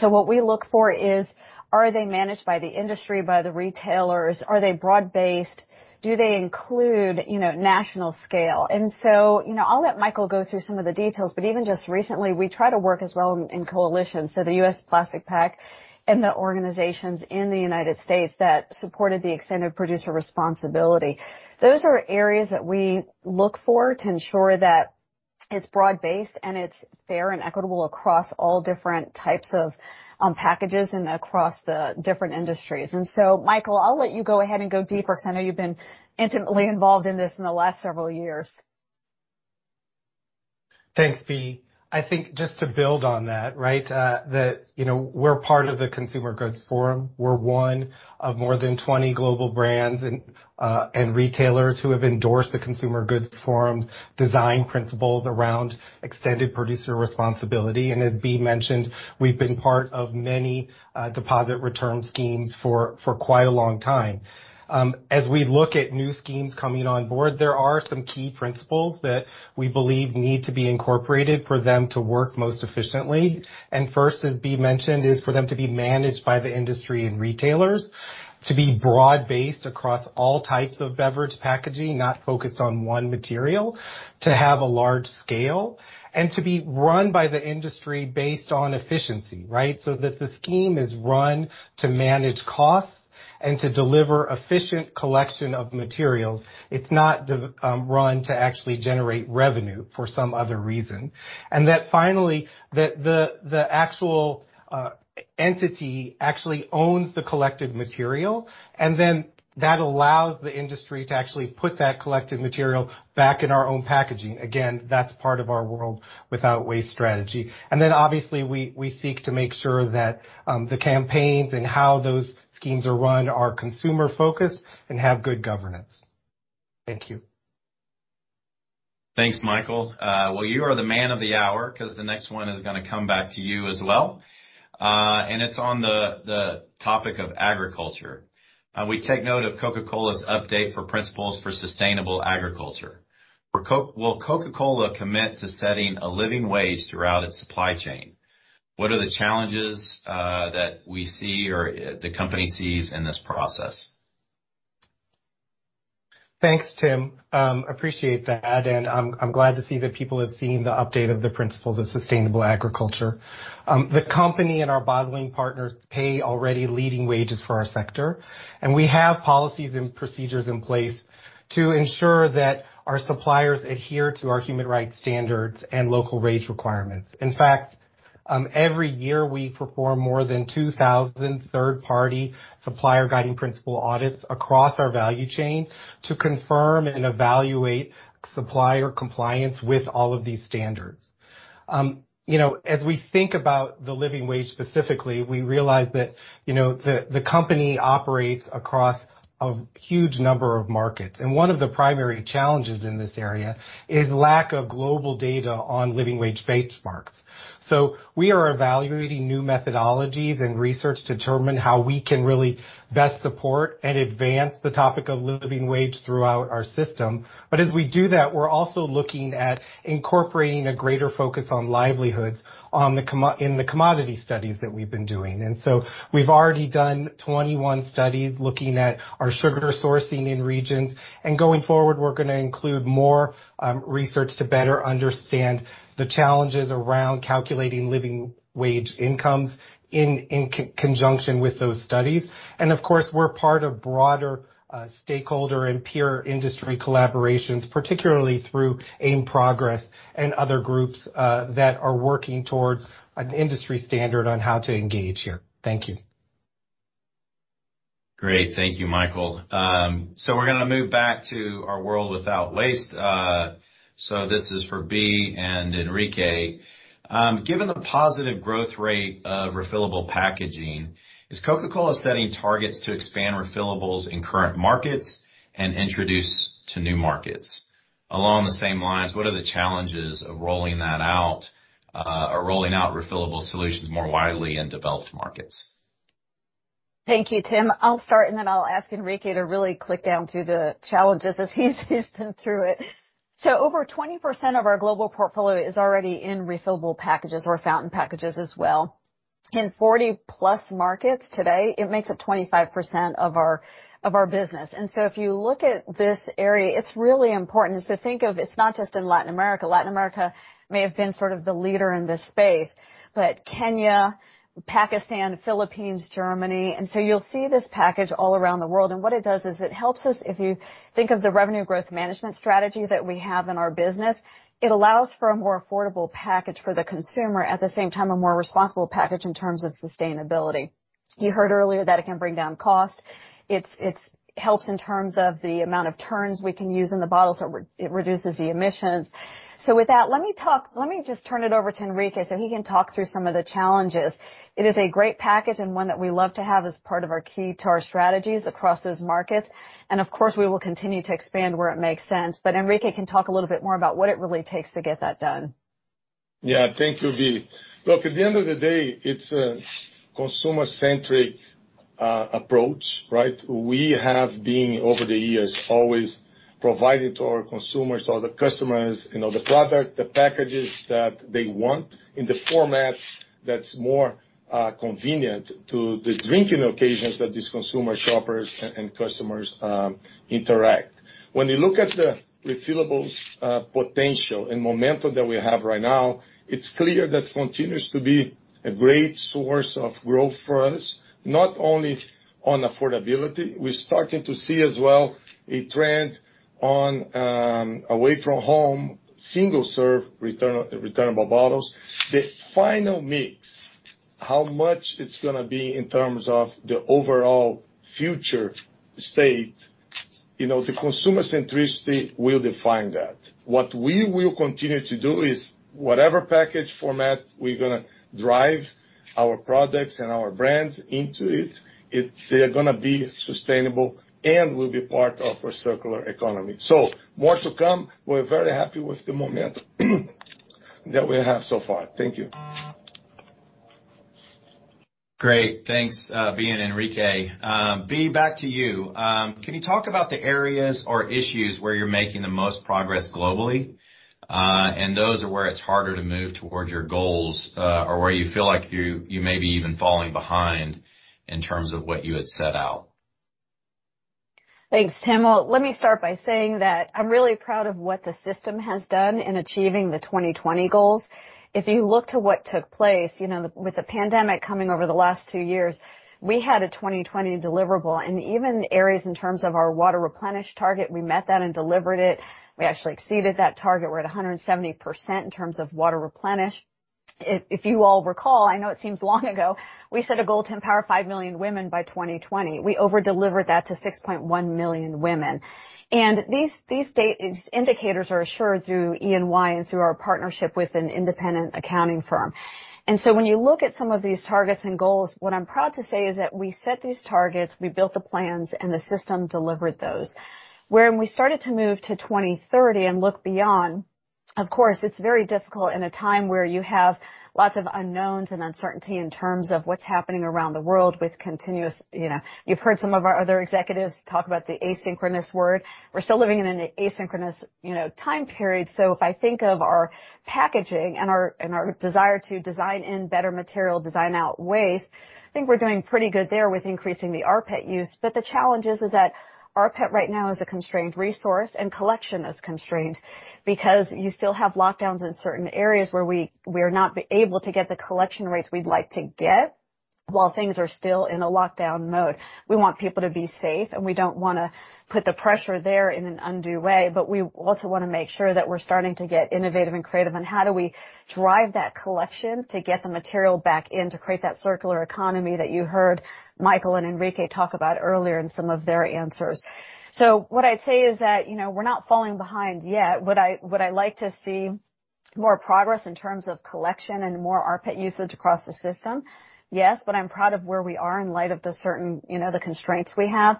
What we look for is, are they managed by the industry, by the retailers? Are they broad-based? Do they include, you know, national scale? I'll let Michael go through some of the details, but even just recently, we try to work as well in coalition. The U.S. Plastics Pact and the organizations in the United States that supported the extended producer responsibility, those are areas that we look for to ensure that it's broad-based, and it's fair and equitable across all different types of packages and across the different industries. Michael, I'll let you go ahead and go deeper 'cause I know you've been intimately involved in this in the last several years. Thanks, Bea. I think just to build on that, right, you know, we're part of the Consumer Goods Forum. We're one of more than 20 global brands and retailers who have endorsed the Consumer Goods Forum's design principles around extended producer responsibility. As Bea mentioned, we've been part of many deposit return schemes for quite a long time. As we look at new schemes coming on board, there are some key principles that we believe need to be incorporated for them to work most efficiently. First, as Bea mentioned, is for them to be managed by the industry and retailers, to be broad-based across all types of beverage packaging, not focused on one material, to have a large scale, and to be run by the industry based on efficiency, right? That the scheme is run to manage costs and to deliver efficient collection of materials. It's not run to actually generate revenue for some other reason. That finally the actual entity actually owns the collected material, and then that allows the industry to actually put that collected material back in our own packaging. Again, that's part of our World Without Waste strategy. Obviously we seek to make sure that the campaigns and how those schemes are run are consumer-focused and have good governance. Thank you. Thanks, Michael. Well, you are the man of the hour 'cause the next one is gonna come back to you as well. It's on the topic of agriculture. We take note of Coca-Cola's update for Principles for Sustainable Agriculture. For Coca-Cola, will Coca-Cola commit to setting a living wage throughout its supply chain? What are the challenges that we see or the company sees in this process? Thanks, Tim. I appreciate that, and I'm glad to see that people have seen the update of the Principles for Sustainable Agriculture. The company and our bottling partners pay already leading wages for our sector, and we have policies and procedures in place to ensure that our suppliers adhere to our human rights standards and local wage requirements. In fact, every year we perform more than 2,000 third-party supplier guiding principle audits across our value chain to confirm and evaluate supplier compliance with all of these standards. You know, as we think about the living wage specifically, we realize that the company operates across a huge number of markets, and one of the primary challenges in this area is lack of global data on living wage benchmarks. We are evaluating new methodologies and research to determine how we can really best support and advance the topic of living wage throughout our system. As we do that, we're also looking at incorporating a greater focus on livelihoods in the commodity studies that we've been doing. We've already done 21 studies looking at our sugar sourcing in regions, and going forward, we're gonna include more research to better understand the challenges around calculating living wage incomes in conjunction with those studies. Of course, we're part of broader stakeholder and peer industry collaborations, particularly through AIM-Progress and other groups, that are working towards an industry standard on how to engage here. Thank you. Great. Thank you, Michael. We're gonna move back to our World Without Waste. This is for Bea and Henrique. Given the positive growth rate of refillable packaging, is Coca-Cola setting targets to expand refillables in current markets and introduce to new markets? Along the same lines, what are the challenges of rolling that out, or rolling out refillable solutions more widely in developed markets? Thank you, Tim. I'll start, and then I'll ask Henrique to really drill down through the challenges as he's been through it. Over 20% of our global portfolio is already in refillable packages or fountain packages as well. In 40-plus markets today, it makes up 25% of our business. If you look at this area, it's really important to think of, it's not just in Latin America. Latin America may have been sort of the leader in this space, but Kenya, Pakistan, Philippines, Germany, and you'll see this package all around the world. What it does is it helps us, if you think of the revenue growth management strategy that we have in our business, it allows for a more affordable package for the consumer, at the same time, a more responsible package in terms of sustainability. You heard earlier that it can bring down costs. It helps in terms of the amount of turns we can use in the bottles, so it reduces the emissions. With that, let me just turn it over to Henrique, so he can talk through some of the challenges. It is a great package and one that we love to have as part of our key to our strategies across those markets. Of course, we will continue to expand where it makes sense. Henrique can talk a little bit more about what it really takes to get that done. Yeah. Thank you, Bea. Look, at the end of the day, it's a consumer-centric approach, right? We have been, over the years, always providing to our consumers, to the customers, you know, the product, the packages that they want in the format that's more convenient to the drinking occasions that these consumer shoppers and customers interact. When you look at the refillables potential and momentum that we have right now, it's clear that continues to be a great source of growth for us, not only on affordability. We're starting to see as well a trend on away from home, single-serve returnable bottles. The final mix, how much it's gonna be in terms of the overall future state, you know, the consumer centricity will define that. What we will continue to do is whatever packaging format we're gonna drive our products and our brands into it, they're gonna be sustainable and will be part of a circular economy. More to come. We're very happy with the momentum that we have so far. Thank you. Great. Thanks, Bea and Henrique. Bea, back to you. Can you talk about the areas or issues where you're making the most progress globally, and those are where it's harder to move towards your goals, or where you feel like you may be even falling behind in terms of what you had set out? Thanks, Tim. Well, let me start by saying that I'm really proud of what the system has done in achieving the 2020 goals. If you look to what took place, you know, with the pandemic coming over the last two years, we had a 2020 deliverable. Even areas in terms of our water replenish target, we met that and delivered it. We actually exceeded that target. We're at 170% in terms of water replenish. If you all recall, I know it seems long ago, we set a goal to empower 5 million women by 2020. We over-delivered that to 6.1 million women. These indicators are assured through EY and through our partnership with an independent accounting firm. When you look at some of these targets and goals, what I'm proud to say is that we set these targets, we built the plans, and the system delivered those. Where when we started to move to 2030 and look beyond, of course, it's very difficult in a time where you have lots of unknowns and uncertainty in terms of what's happening around the world with continuous, you know. You've heard some of our other executives talk about the asynchronous world. We're still living in an asynchronous, you know, time period. If I think of our packaging and our desire to design in better material, design out waste, I think we're doing pretty good there with increasing the rPET use. The challenge is that rPET right now is a constrained resource, and collection is constrained because you still have lockdowns in certain areas where we're not able to get the collection rates we'd like to get while things are still in a lockdown mode. We want people to be safe, and we don't wanna put the pressure there in an undue way, but we also wanna make sure that we're starting to get innovative and creative on how do we drive that collection to get the material back in to create that circular economy that you heard Michael Goltzman and Henrique Braun talk about earlier in some of their answers. So what I'd say is that, you know, we're not falling behind yet. Would I like to see more progress in terms of collection and more rPET usage across the system? Yes. I'm proud of where we are in light of the certain, you know, the constraints we have.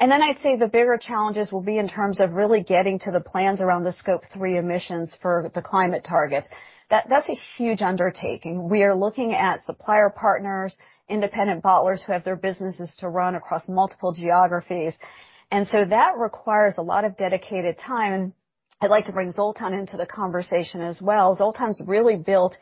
I'd say the bigger challenges will be in terms of really getting to the plans around the Scope 3 emissions for the climate targets. That's a huge undertaking. We are looking at supplier partners, independent bottlers who have their businesses to run across multiple geographies. That requires a lot of dedicated time. I'd like to bring Zoltan into the conversation as well. Zoltan's really built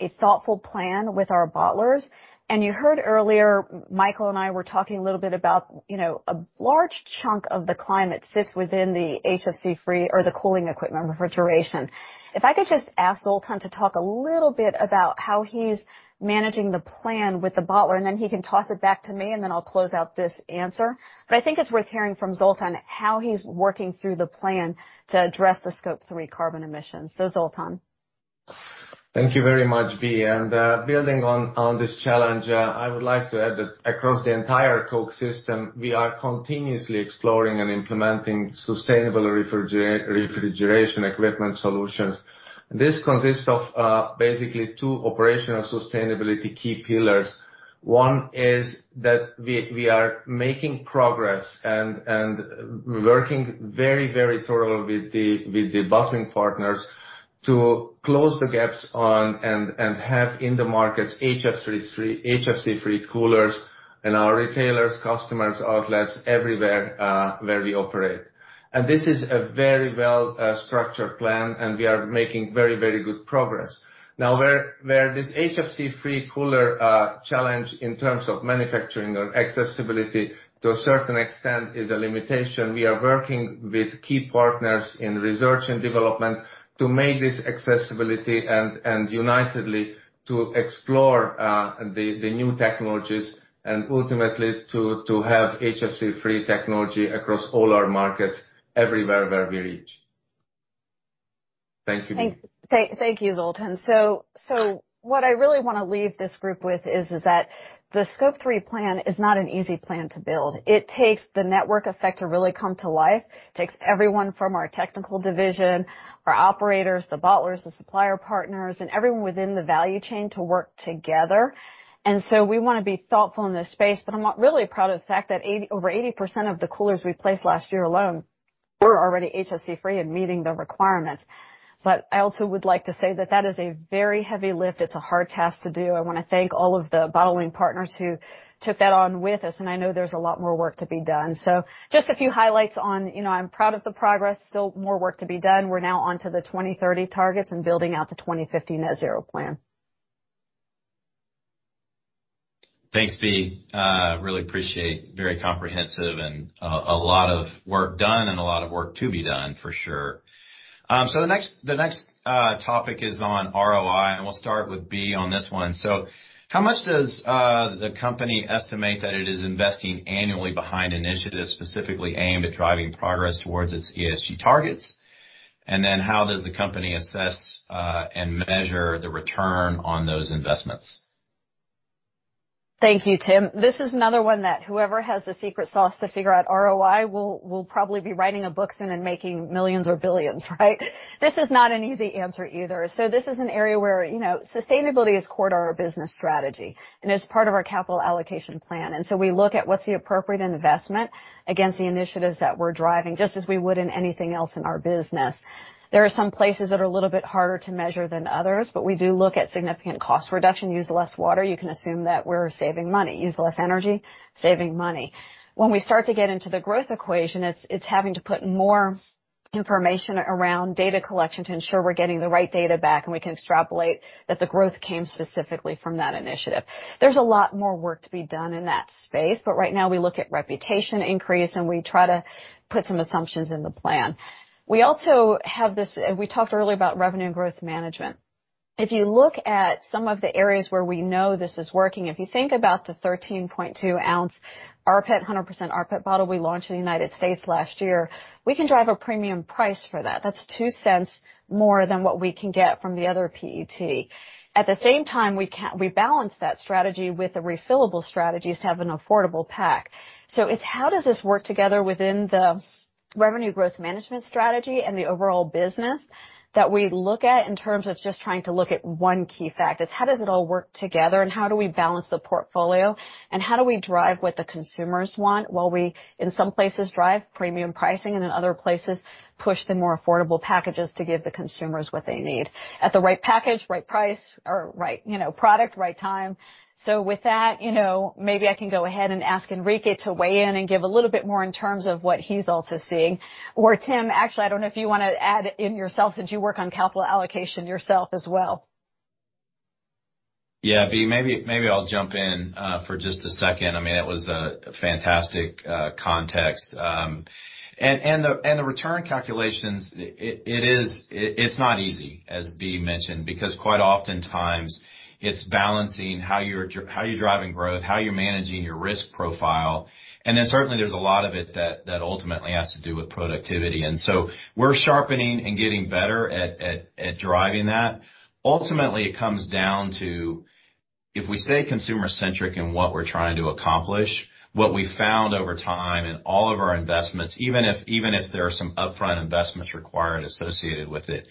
a thoughtful plan with our bottlers. You heard earlier, Michael and I were talking a little bit about, you know, a large chunk of the climate sits within the HFC-free or the cooling equipment refrigeration. If I could just ask Zoltan to talk a little bit about how he's managing the plan with the bottler, and then he can toss it back to me, and then I'll close out this answer. But I think it's worth hearing from Zoltan how he's working through the plan to address the Scope 3 carbon emissions. So, Zoltan. Thank you very much, Bea. Building on this challenge, I would like to add that across the entire Coke system, we are continuously exploring and implementing sustainable refrigeration equipment solutions. This consists of basically two operational sustainability key pillars. One is that we are making progress and working very thoroughly with the bottling partners to close the gaps on and have in the markets HFC-free coolers in our retailers, customers, outlets, everywhere where we operate. This is a very well structured plan, and we are making very good progress. Now, where this HFC-free cooler challenge in terms of manufacturing or accessibility to a certain extent is a limitation, we are working with key partners in research and development to make this accessibility and indeed to explore the new technologies and ultimately to have HFC-free technology across all our markets everywhere where we reach. Thank you, Bea. Thank you, Zoltan. What I really wanna leave this group with is that the Scope 3 plan is not an easy plan to build. It takes the network effect to really come to life. It takes everyone from our technical division, our operators, the bottlers, the supplier partners, and everyone within the value chain to work together. We wanna be thoughtful in this space, but I'm really proud of the fact that over 80% of the coolers we placed last year alone were already HFC-free and meeting the requirements. I also would like to say that that is a very heavy lift. It's a hard task to do. I wanna thank all of the bottling partners who took that on with us, and I know there's a lot more work to be done. Just a few highlights on, you know, I'm proud of the progress. Still more work to be done. We're now onto the 2030 targets and building out the 2050 net zero plan. Thanks, Bea. I really appreciate. Very comprehensive and a lot of work done and a lot of work to be done for sure. The next topic is on ROI, and we'll start with Bea on this one. How much does the company estimate that it is investing annually behind initiatives specifically aimed at driving progress towards its ESG targets? Then how does the company assess and measure the return on those investments? Thank you, Tim. This is another one that whoever has the secret sauce to figure out ROI will probably be writing a book soon and making millions or billions, right? This is not an easy answer either. This is an area where, you know, sustainability is core to our business strategy and is part of our capital allocation plan. We look at what's the appropriate investment against the initiatives that we're driving, just as we would in anything else in our business. There are some places that are a little bit harder to measure than others, but we do look at significant cost reduction. Use less water, you can assume that we're saving money. Use less energy, saving money. When we start to get into the growth equation, it's having to put more information around data collection to ensure we're getting the right data back, and we can extrapolate that the growth came specifically from that initiative. There's a lot more work to be done in that space, but right now we look at reputation increase, and we try to put some assumptions in the plan. We also have this. We talked earlier about revenue growth management. If you look at some of the areas where we know this is working, if you think about the 13.2-ounce 100% rPET bottle we launched in the United States last year, we can drive a premium price for that. That's $0.02 more than what we can get from the other PET. At the same time, we balance that strategy with the refillable strategy to have an affordable pack. It's how does this work together within the revenue growth management strategy and the overall business that we look at in terms of just trying to look at one key factor. It's how does it all work together, and how do we balance the portfolio, and how do we drive what the consumers want while we, in some places, drive premium pricing, and in other places, push the more affordable packages to give the consumers what they need at the right package, right price or right, you know, product, right time. With that, you know, maybe I can go ahead and ask Henrique to weigh in and give a little bit more in terms of what he's also seeing. Tim, actually, I don't know if you wanna add in yourself since you work on capital allocation yourself as well. Yeah, Bea, maybe I'll jump in for just a second. I mean, that was a fantastic context. The return calculations, it's not easy, as Bea mentioned, because quite oftentimes it's balancing how you're driving growth, how you're managing your risk profile, and then certainly there's a lot of it that ultimately has to do with productivity. We're sharpening and getting better at driving that. Ultimately, it comes down to if we stay consumer-centric in what we're trying to accomplish, what we found over time in all of our investments, even if there are some upfront investments required associated with it,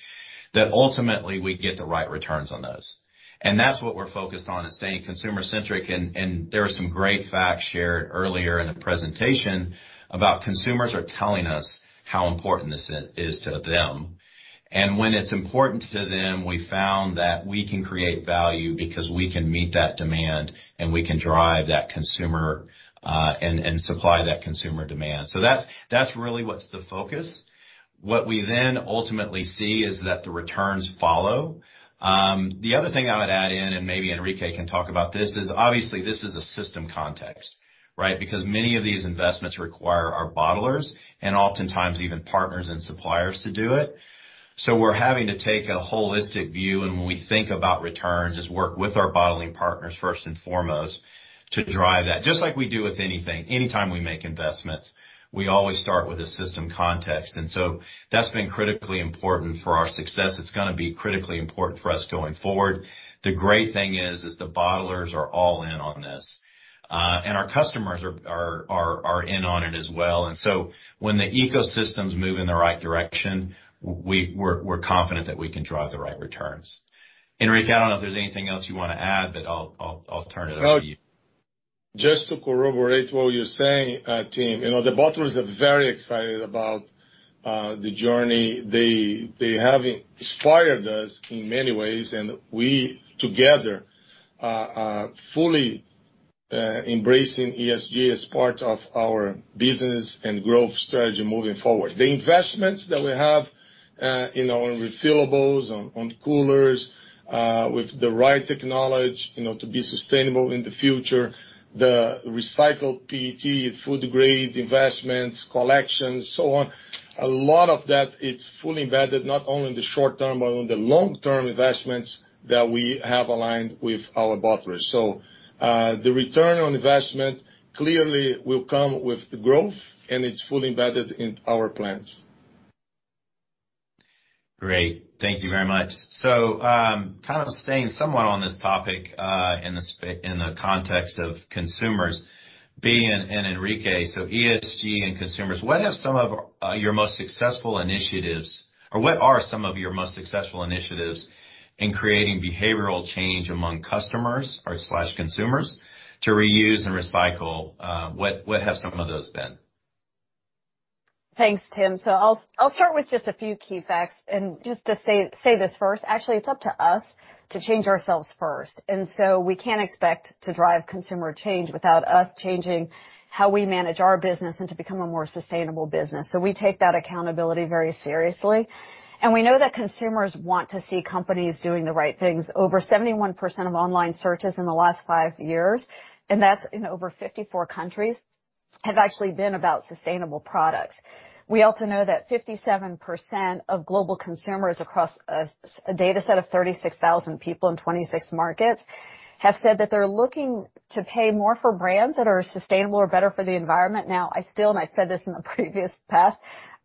that ultimately we get the right returns on those. That's what we're focused on is staying consumer-centric, and there are some great facts shared earlier in the presentation about consumers are telling us how important this is to them. When it's important to them, we found that we can create value because we can meet that demand, and we can drive that consumer, and supply that consumer demand. That's really what's the focus. What we then ultimately see is that the returns follow. The other thing I would add in, maybe Henrique can talk about this, is obviously this is a system context, right? Because many of these investments require our bottlers and oftentimes even partners and suppliers to do it. We're having to take a holistic view, and when we think about returns, we work with our bottling partners first and foremost to drive that. Just like we do with anything, any time we make investments, we always start with a system context. That's been critically important for our success. It's gonna be critically important for us going forward. The great thing is the bottlers are all in on this. Our customers are in on it as well. When the ecosystems move in the right direction, we're confident that we can drive the right returns. Henrique, I don't know if there's anything else you wanna add, but I'll turn it over to you. No. Just to corroborate what you're saying, Tim, you know, the bottlers are very excited about the journey. They have inspired us in many ways, and we, together, are fully embracing ESG as part of our business and growth strategy moving forward. The investments that we have, you know, on refillables, on coolers with the right technology, you know, to be sustainable in the future, the recycled PET, food-grade investments, collections, so on, a lot of that is fully embedded, not only in the short term, but on the long-term investments that we have aligned with our bottlers. The return on investment clearly will come with growth, and it's fully embedded in our plans. Great. Thank you very much. Kind of staying somewhat on this topic, in the context of consumers, Bea and Henrique, ESG and consumers, what are some of your most successful initiatives in creating behavioral change among customers or slash consumers to reuse and recycle? What have some of those been? Thanks, Tim. I'll start with just a few key facts, and just to say this first, actually, it's up to us to change ourselves first, and we can't expect to drive consumer change without us changing how we manage our business and to become a more sustainable business. We take that accountability very seriously. We know that consumers want to see companies doing the right things. Over 71% of online searches in the last five years, and that's in over 54 countries, have actually been about sustainable products. We also know that 57% of global consumers across a data set of 36,000 people in 26 markets have said that they're looking to pay more for brands that are sustainable or better for the environment. Now, I still, and I've said this in the previous past,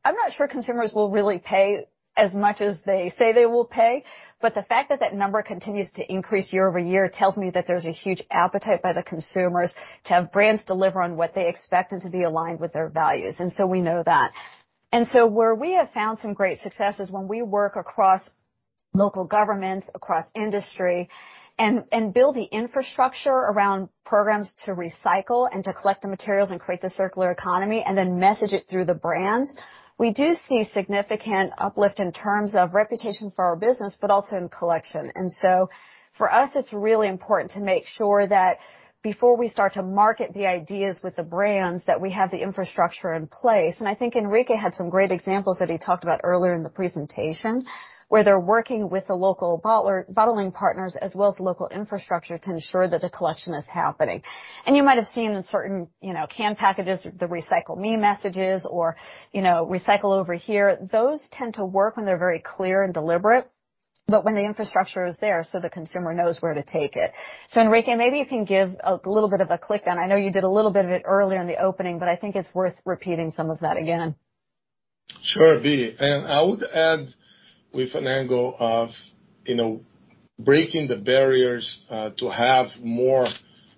I'm not sure consumers will really pay as much as they say they will pay, but the fact that that number continues to increase year-over-year tells me that there's a huge appetite by the consumers to have brands deliver on what they expect and to be aligned with their values. We know that. Where we have found some great success is when we work across local governments, across industry and build the infrastructure around programs to recycle and to collect the materials and create the circular economy, and then message it through the brands. We do see significant uplift in terms of reputation for our business, but also in collection. For us, it's really important to make sure that before we start to market the ideas with the brands, that we have the infrastructure in place. I think Henrique had some great examples that he talked about earlier in the presentation, where they're working with the local bottling partners as well as local infrastructure to ensure that the collection is happening. You might have seen in certain, you know, can packages, the recycle me messages or, you know, recycle over here. Those tend to work when they're very clear and deliberate, but when the infrastructure is there, so the consumer knows where to take it. Henrique, maybe you can give a little bit of a quick one on. I know you did a little bit of it earlier in the opening, but I think it's worth repeating some of that again. Sure, Bea. I would add with an angle of breaking the barriers to have more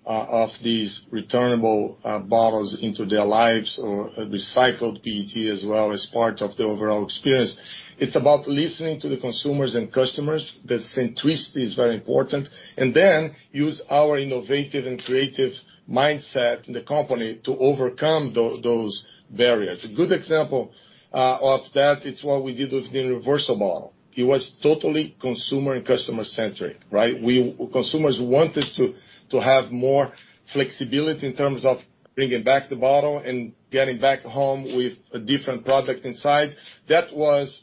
of these returnable bottles into their lives or recycled PET as well as part of the overall experience. It's about listening to the consumers and customers. The centricity is very important. Then use our innovative and creative mindset in the company to overcome those barriers. A good example of that is what we did with the Reversa bottle. It was totally consumer and customer-centric, right? Consumers wanted to have more flexibility in terms of bringing back the bottle and getting back home with a different product inside. That was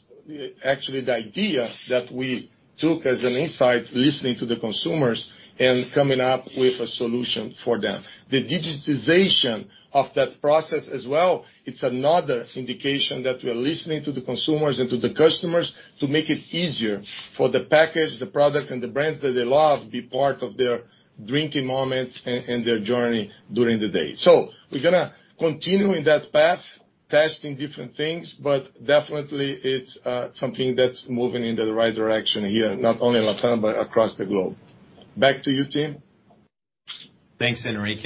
actually the idea that we took as an insight, listening to the consumers and coming up with a solution for them. The digitization of that process as well, it's another indication that we're listening to the consumers and to the customers to make it easier for the package, the product, and the brands that they love, be part of their drinking moments and their journey during the day. We're gonna continue in that path, testing different things, but definitely it's something that's moving in the right direction here, not only in Latin, but across the globe. Back to you, Tim. Thanks, Henrique.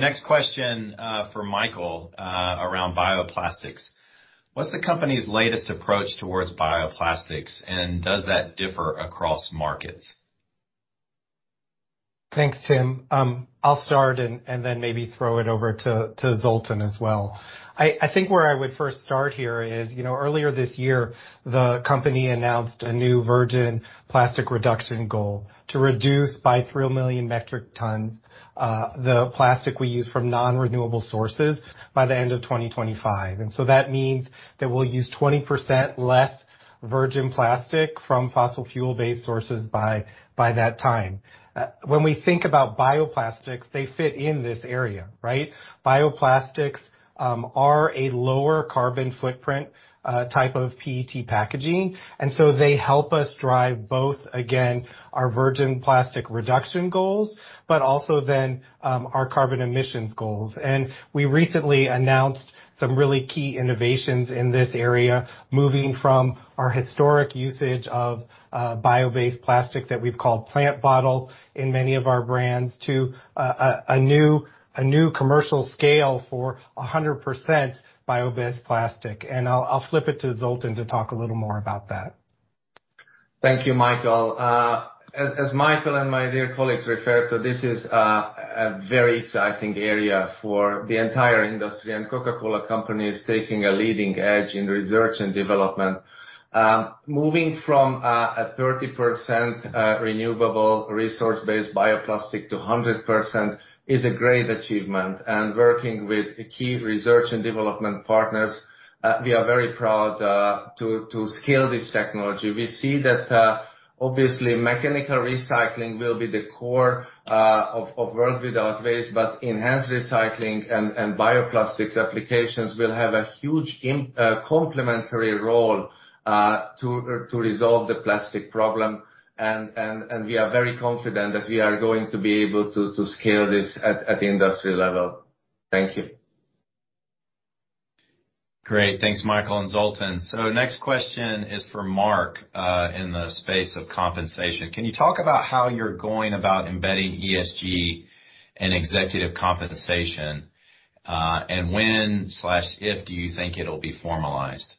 Next question for Michael around bioplastics. What's the company's latest approach towards bioplastics, and does that differ across markets? Thanks, Tim. I'll start and then maybe throw it over to Zoltan as well. I think where I would first start here is, you know, earlier this year, the company announced a new virgin plastic reduction goal to reduce by 3 million metric tons the plastic we use from non-renewable sources by the end of 2025. That means that we'll use 20% less virgin plastic from fossil fuel-based sources by that time. When we think about bioplastics, they fit in this area, right? Bioplastics are a lower carbon footprint type of PET packaging, and so they help us drive both, again, our virgin plastic reduction goals, but also then our carbon emissions goals. We recently announced some really key innovations in this area, moving from our historic usage of bio-based plastic that we've called PlantBottle in many of our brands to a new commercial scale for 100% bio-based plastic. I'll flip it to Zoltan to talk a little more about that. Thank you, Michael. As Michael and my dear colleagues refer to, this is a very exciting area for the entire industry, and Coca-Cola Company is taking a leading edge in research and development. Moving from a 30%, renewable resource-based bioplastic to 100% is a great achievement. Working with key research and development partners, we are very proud to scale this technology. We see that, obviously mechanical recycling will be the core of World Without Waste, but enhanced recycling and bioplastics applications will have a huge complementary role to resolve the plastic problem. We are very confident that we are going to be able to scale this at the industry level. Thank you. Great. Thanks, Michael and Zoltan. Next question is for Mark, in the space of compensation. Can you talk about how you're going about embedding ESG in executive compensation? When/if do you think it'll be formalized?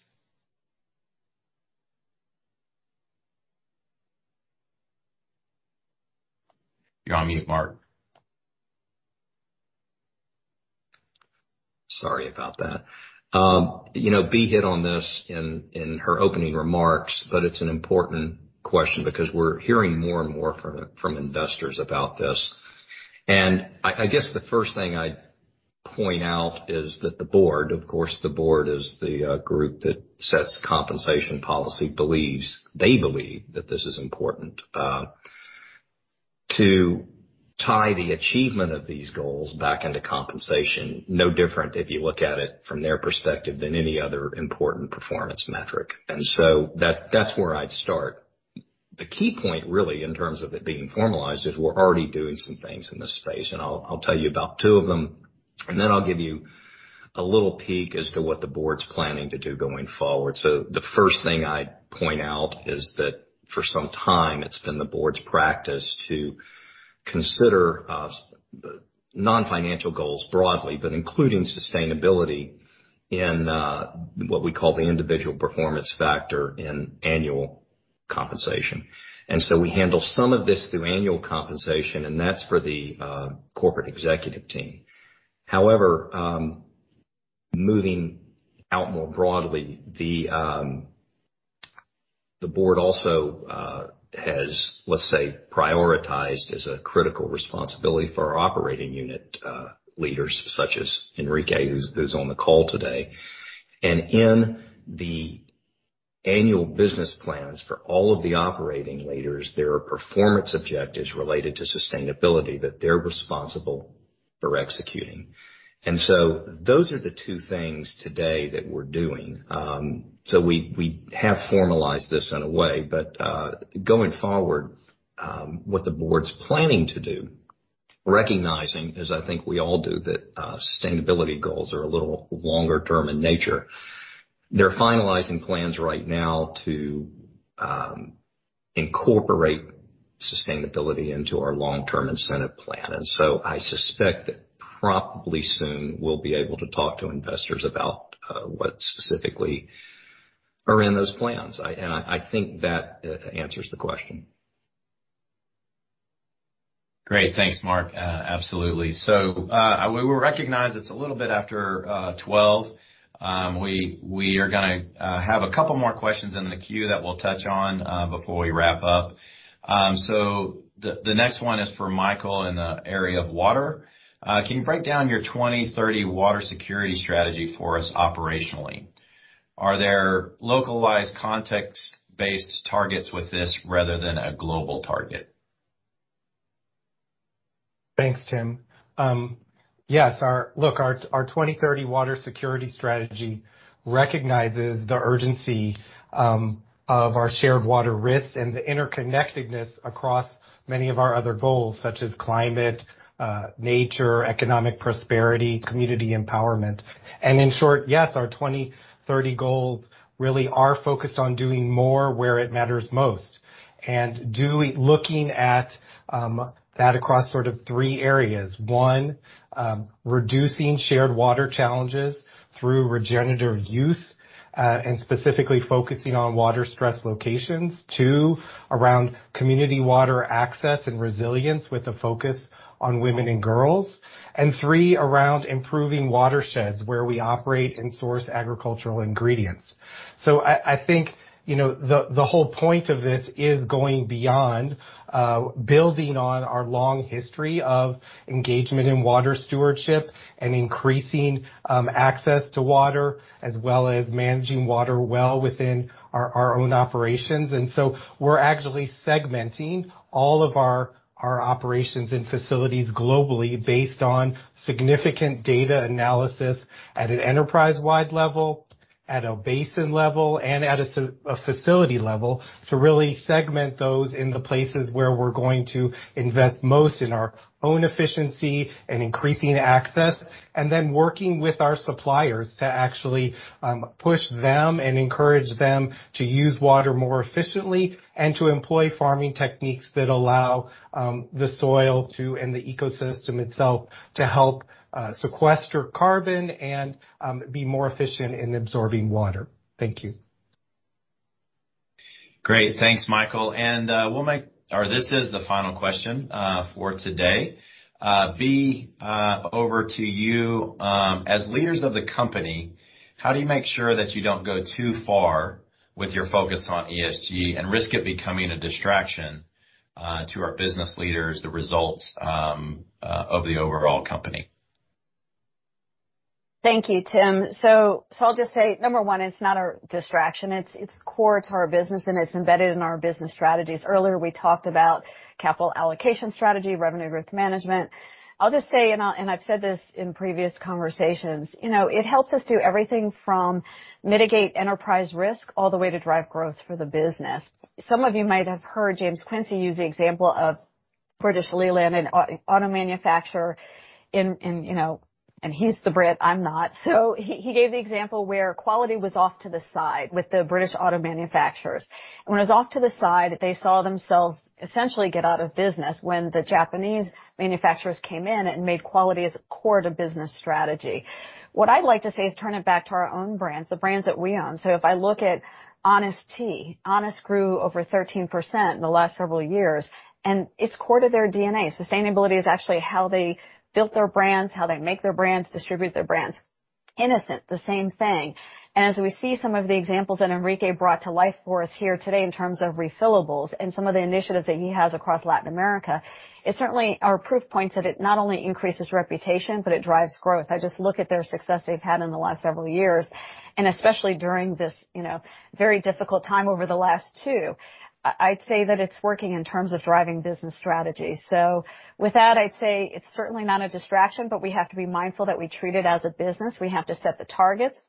You're on mute, Mark. Sorry about that. You know, Bea hit on this in her opening remarks, but it's an important question because we're hearing more and more from investors about this. I guess the first thing I'd point out is that the board, of course, is the group that sets compensation policy. They believe that this is important to tie the achievement of these goals back into compensation. No different if you look at it from their perspective than any other important performance metric. That's where I'd start. The key point really in terms of it being formalized is we're already doing some things in this space, and I'll tell you about two of them, and then I'll give you a little peek as to what the board's planning to do going forward. The first thing I'd point out is that for some time it's been the board's practice to consider non-financial goals broadly, but including sustainability in what we call the individual performance factor in annual compensation. We handle some of this through annual compensation, and that's for the corporate executive team. However, moving out more broadly, the board also has, let's say, prioritized as a critical responsibility for our operating unit leaders such as Henrique, who's on the call today. In the annual business plans for all of the operating leaders, there are performance objectives related to sustainability that they're responsible for executing. Those are the two things today that we're doing. We have formalized this in a way, but going forward, what the board's planning to do, recognizing as I think we all do, that sustainability goals are a little longer term in nature. They're finalizing plans right now to incorporate sustainability into our long-term incentive plan. I suspect that probably soon we'll be able to talk to investors about what specifically are in those plans. I think that answers the question. Great. Thanks, Mark. Absolutely. We will recognize it's a little bit after 12. We are gonna have a couple more questions in the queue that we'll touch on before we wrap up. The next one is for Michael in the area of water. Can you break down your 2030 water security strategy for us operationally? Are there localized context-based targets with this rather than a global target? Thanks, Tim. Yes. Our 2030 water security strategy recognizes the urgency of our shared water risks and the interconnectedness across many of our other goals, such as climate, nature, economic prosperity, community empowerment. In short, yes, our 2030 goals really are focused on doing more where it matters most, looking at that across sort of three areas. One, reducing shared water challenges through regenerative use, and specifically focusing on water stress locations. Two, around community water access and resilience with a focus on women and girls. Three, around improving watersheds where we operate and source agricultural ingredients. I think, you know, the whole point of this is going beyond building on our long history of engagement in water stewardship and increasing access to water as well as managing water well within our own operations. We're actually segmenting all of our operations and facilities globally based on significant data analysis at an enterprise-wide level, at a basin level, and at a facility level to really segment those in the places where we're going to invest most in our own efficiency and increasing access. Working with our suppliers to actually push them and encourage them to use water more efficiently and to employ farming techniques that allow the soil to, and the ecosystem itself, to help sequester carbon and be more efficient in absorbing water. Thank you. Great. Thanks, Michael. This is the final question for today. Bea, over to you. As leaders of the company, how do you make sure that you don't go too far with your focus on ESG and risk it becoming a distraction to our business leaders, the results of the overall company? Thank you, Tim. I'll just say, number one, it's not a distraction. It's core to our business, and it's embedded in our business strategies. Earlier, we talked about capital allocation strategy, revenue growth management. I'll just say, and I've said this in previous conversations, you know, it helps us do everything from mitigate enterprise risk all the way to drive growth for the business. Some of you might have heard James Quincey use the example of British Leyland, an auto manufacturer in, you know, and he's the Brit, I'm not. He gave the example where quality was off to the side with the British auto manufacturers. When it was off to the side, they saw themselves essentially get out of business when the Japanese manufacturers came in and made quality as a core to business strategy. What I'd like to say is turn it back to our own brands, the brands that we own. If I look at Honest Tea, Honest grew over 13% in the last several years, and it's core to their DNA. Sustainability is actually how they built their brands, how they make their brands, distribute their brands. Innocent, the same thing. As we see some of the examples that Henrique brought to life for us here today in terms of refillables and some of the initiatives that he has across Latin America, it's certainly are proof points that it not only increases reputation, but it drives growth. I just look at their success they've had in the last several years, and especially during this, you know, very difficult time over the last two. I'd say that it's working in terms of driving business strategy. With that, I'd say it's certainly not a distraction, but we have to be mindful that we treat it as a business. We have to set the targets,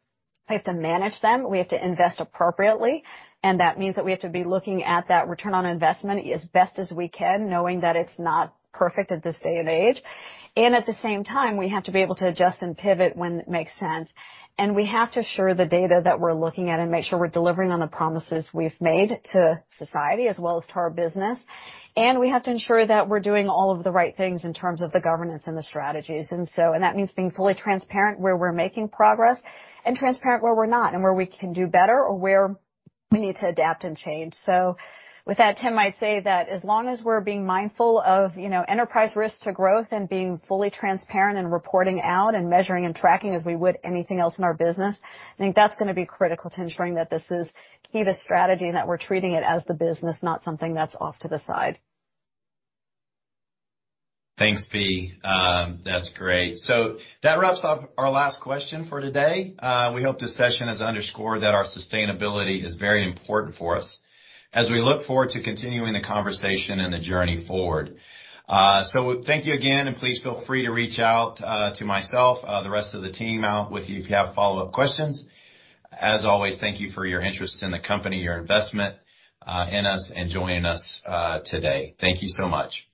we have to manage them, we have to invest appropriately, and that means that we have to be looking at that return on investment as best as we can, knowing that it's not perfect at this day and age. At the same time, we have to be able to adjust and pivot when it makes sense. We have to ensure the data that we're looking at and make sure we're delivering on the promises we've made to society as well as to our business. We have to ensure that we're doing all of the right things in terms of the governance and the strategies. That means being fully transparent where we're making progress and transparent where we're not, and where we can do better or where we need to adapt and change. With that, Tim, I'd say that as long as we're being mindful of, you know, enterprise risk to growth and being fully transparent in reporting out and measuring and tracking as we would anything else in our business, I think that's gonna be critical to ensuring that this is key to strategy and that we're treating it as the business, not something that's off to the side. Thanks, Bea. That's great. That wraps up our last question for today. We hope this session has underscored that our sustainability is very important for us as we look forward to continuing the conversation and the journey forward. Thank you again, and please feel free to reach out to myself, the rest of the team, or to you if you have follow-up questions. As always, thank you for your interest in the company, your investment in us, and joining us today. Thank you so much.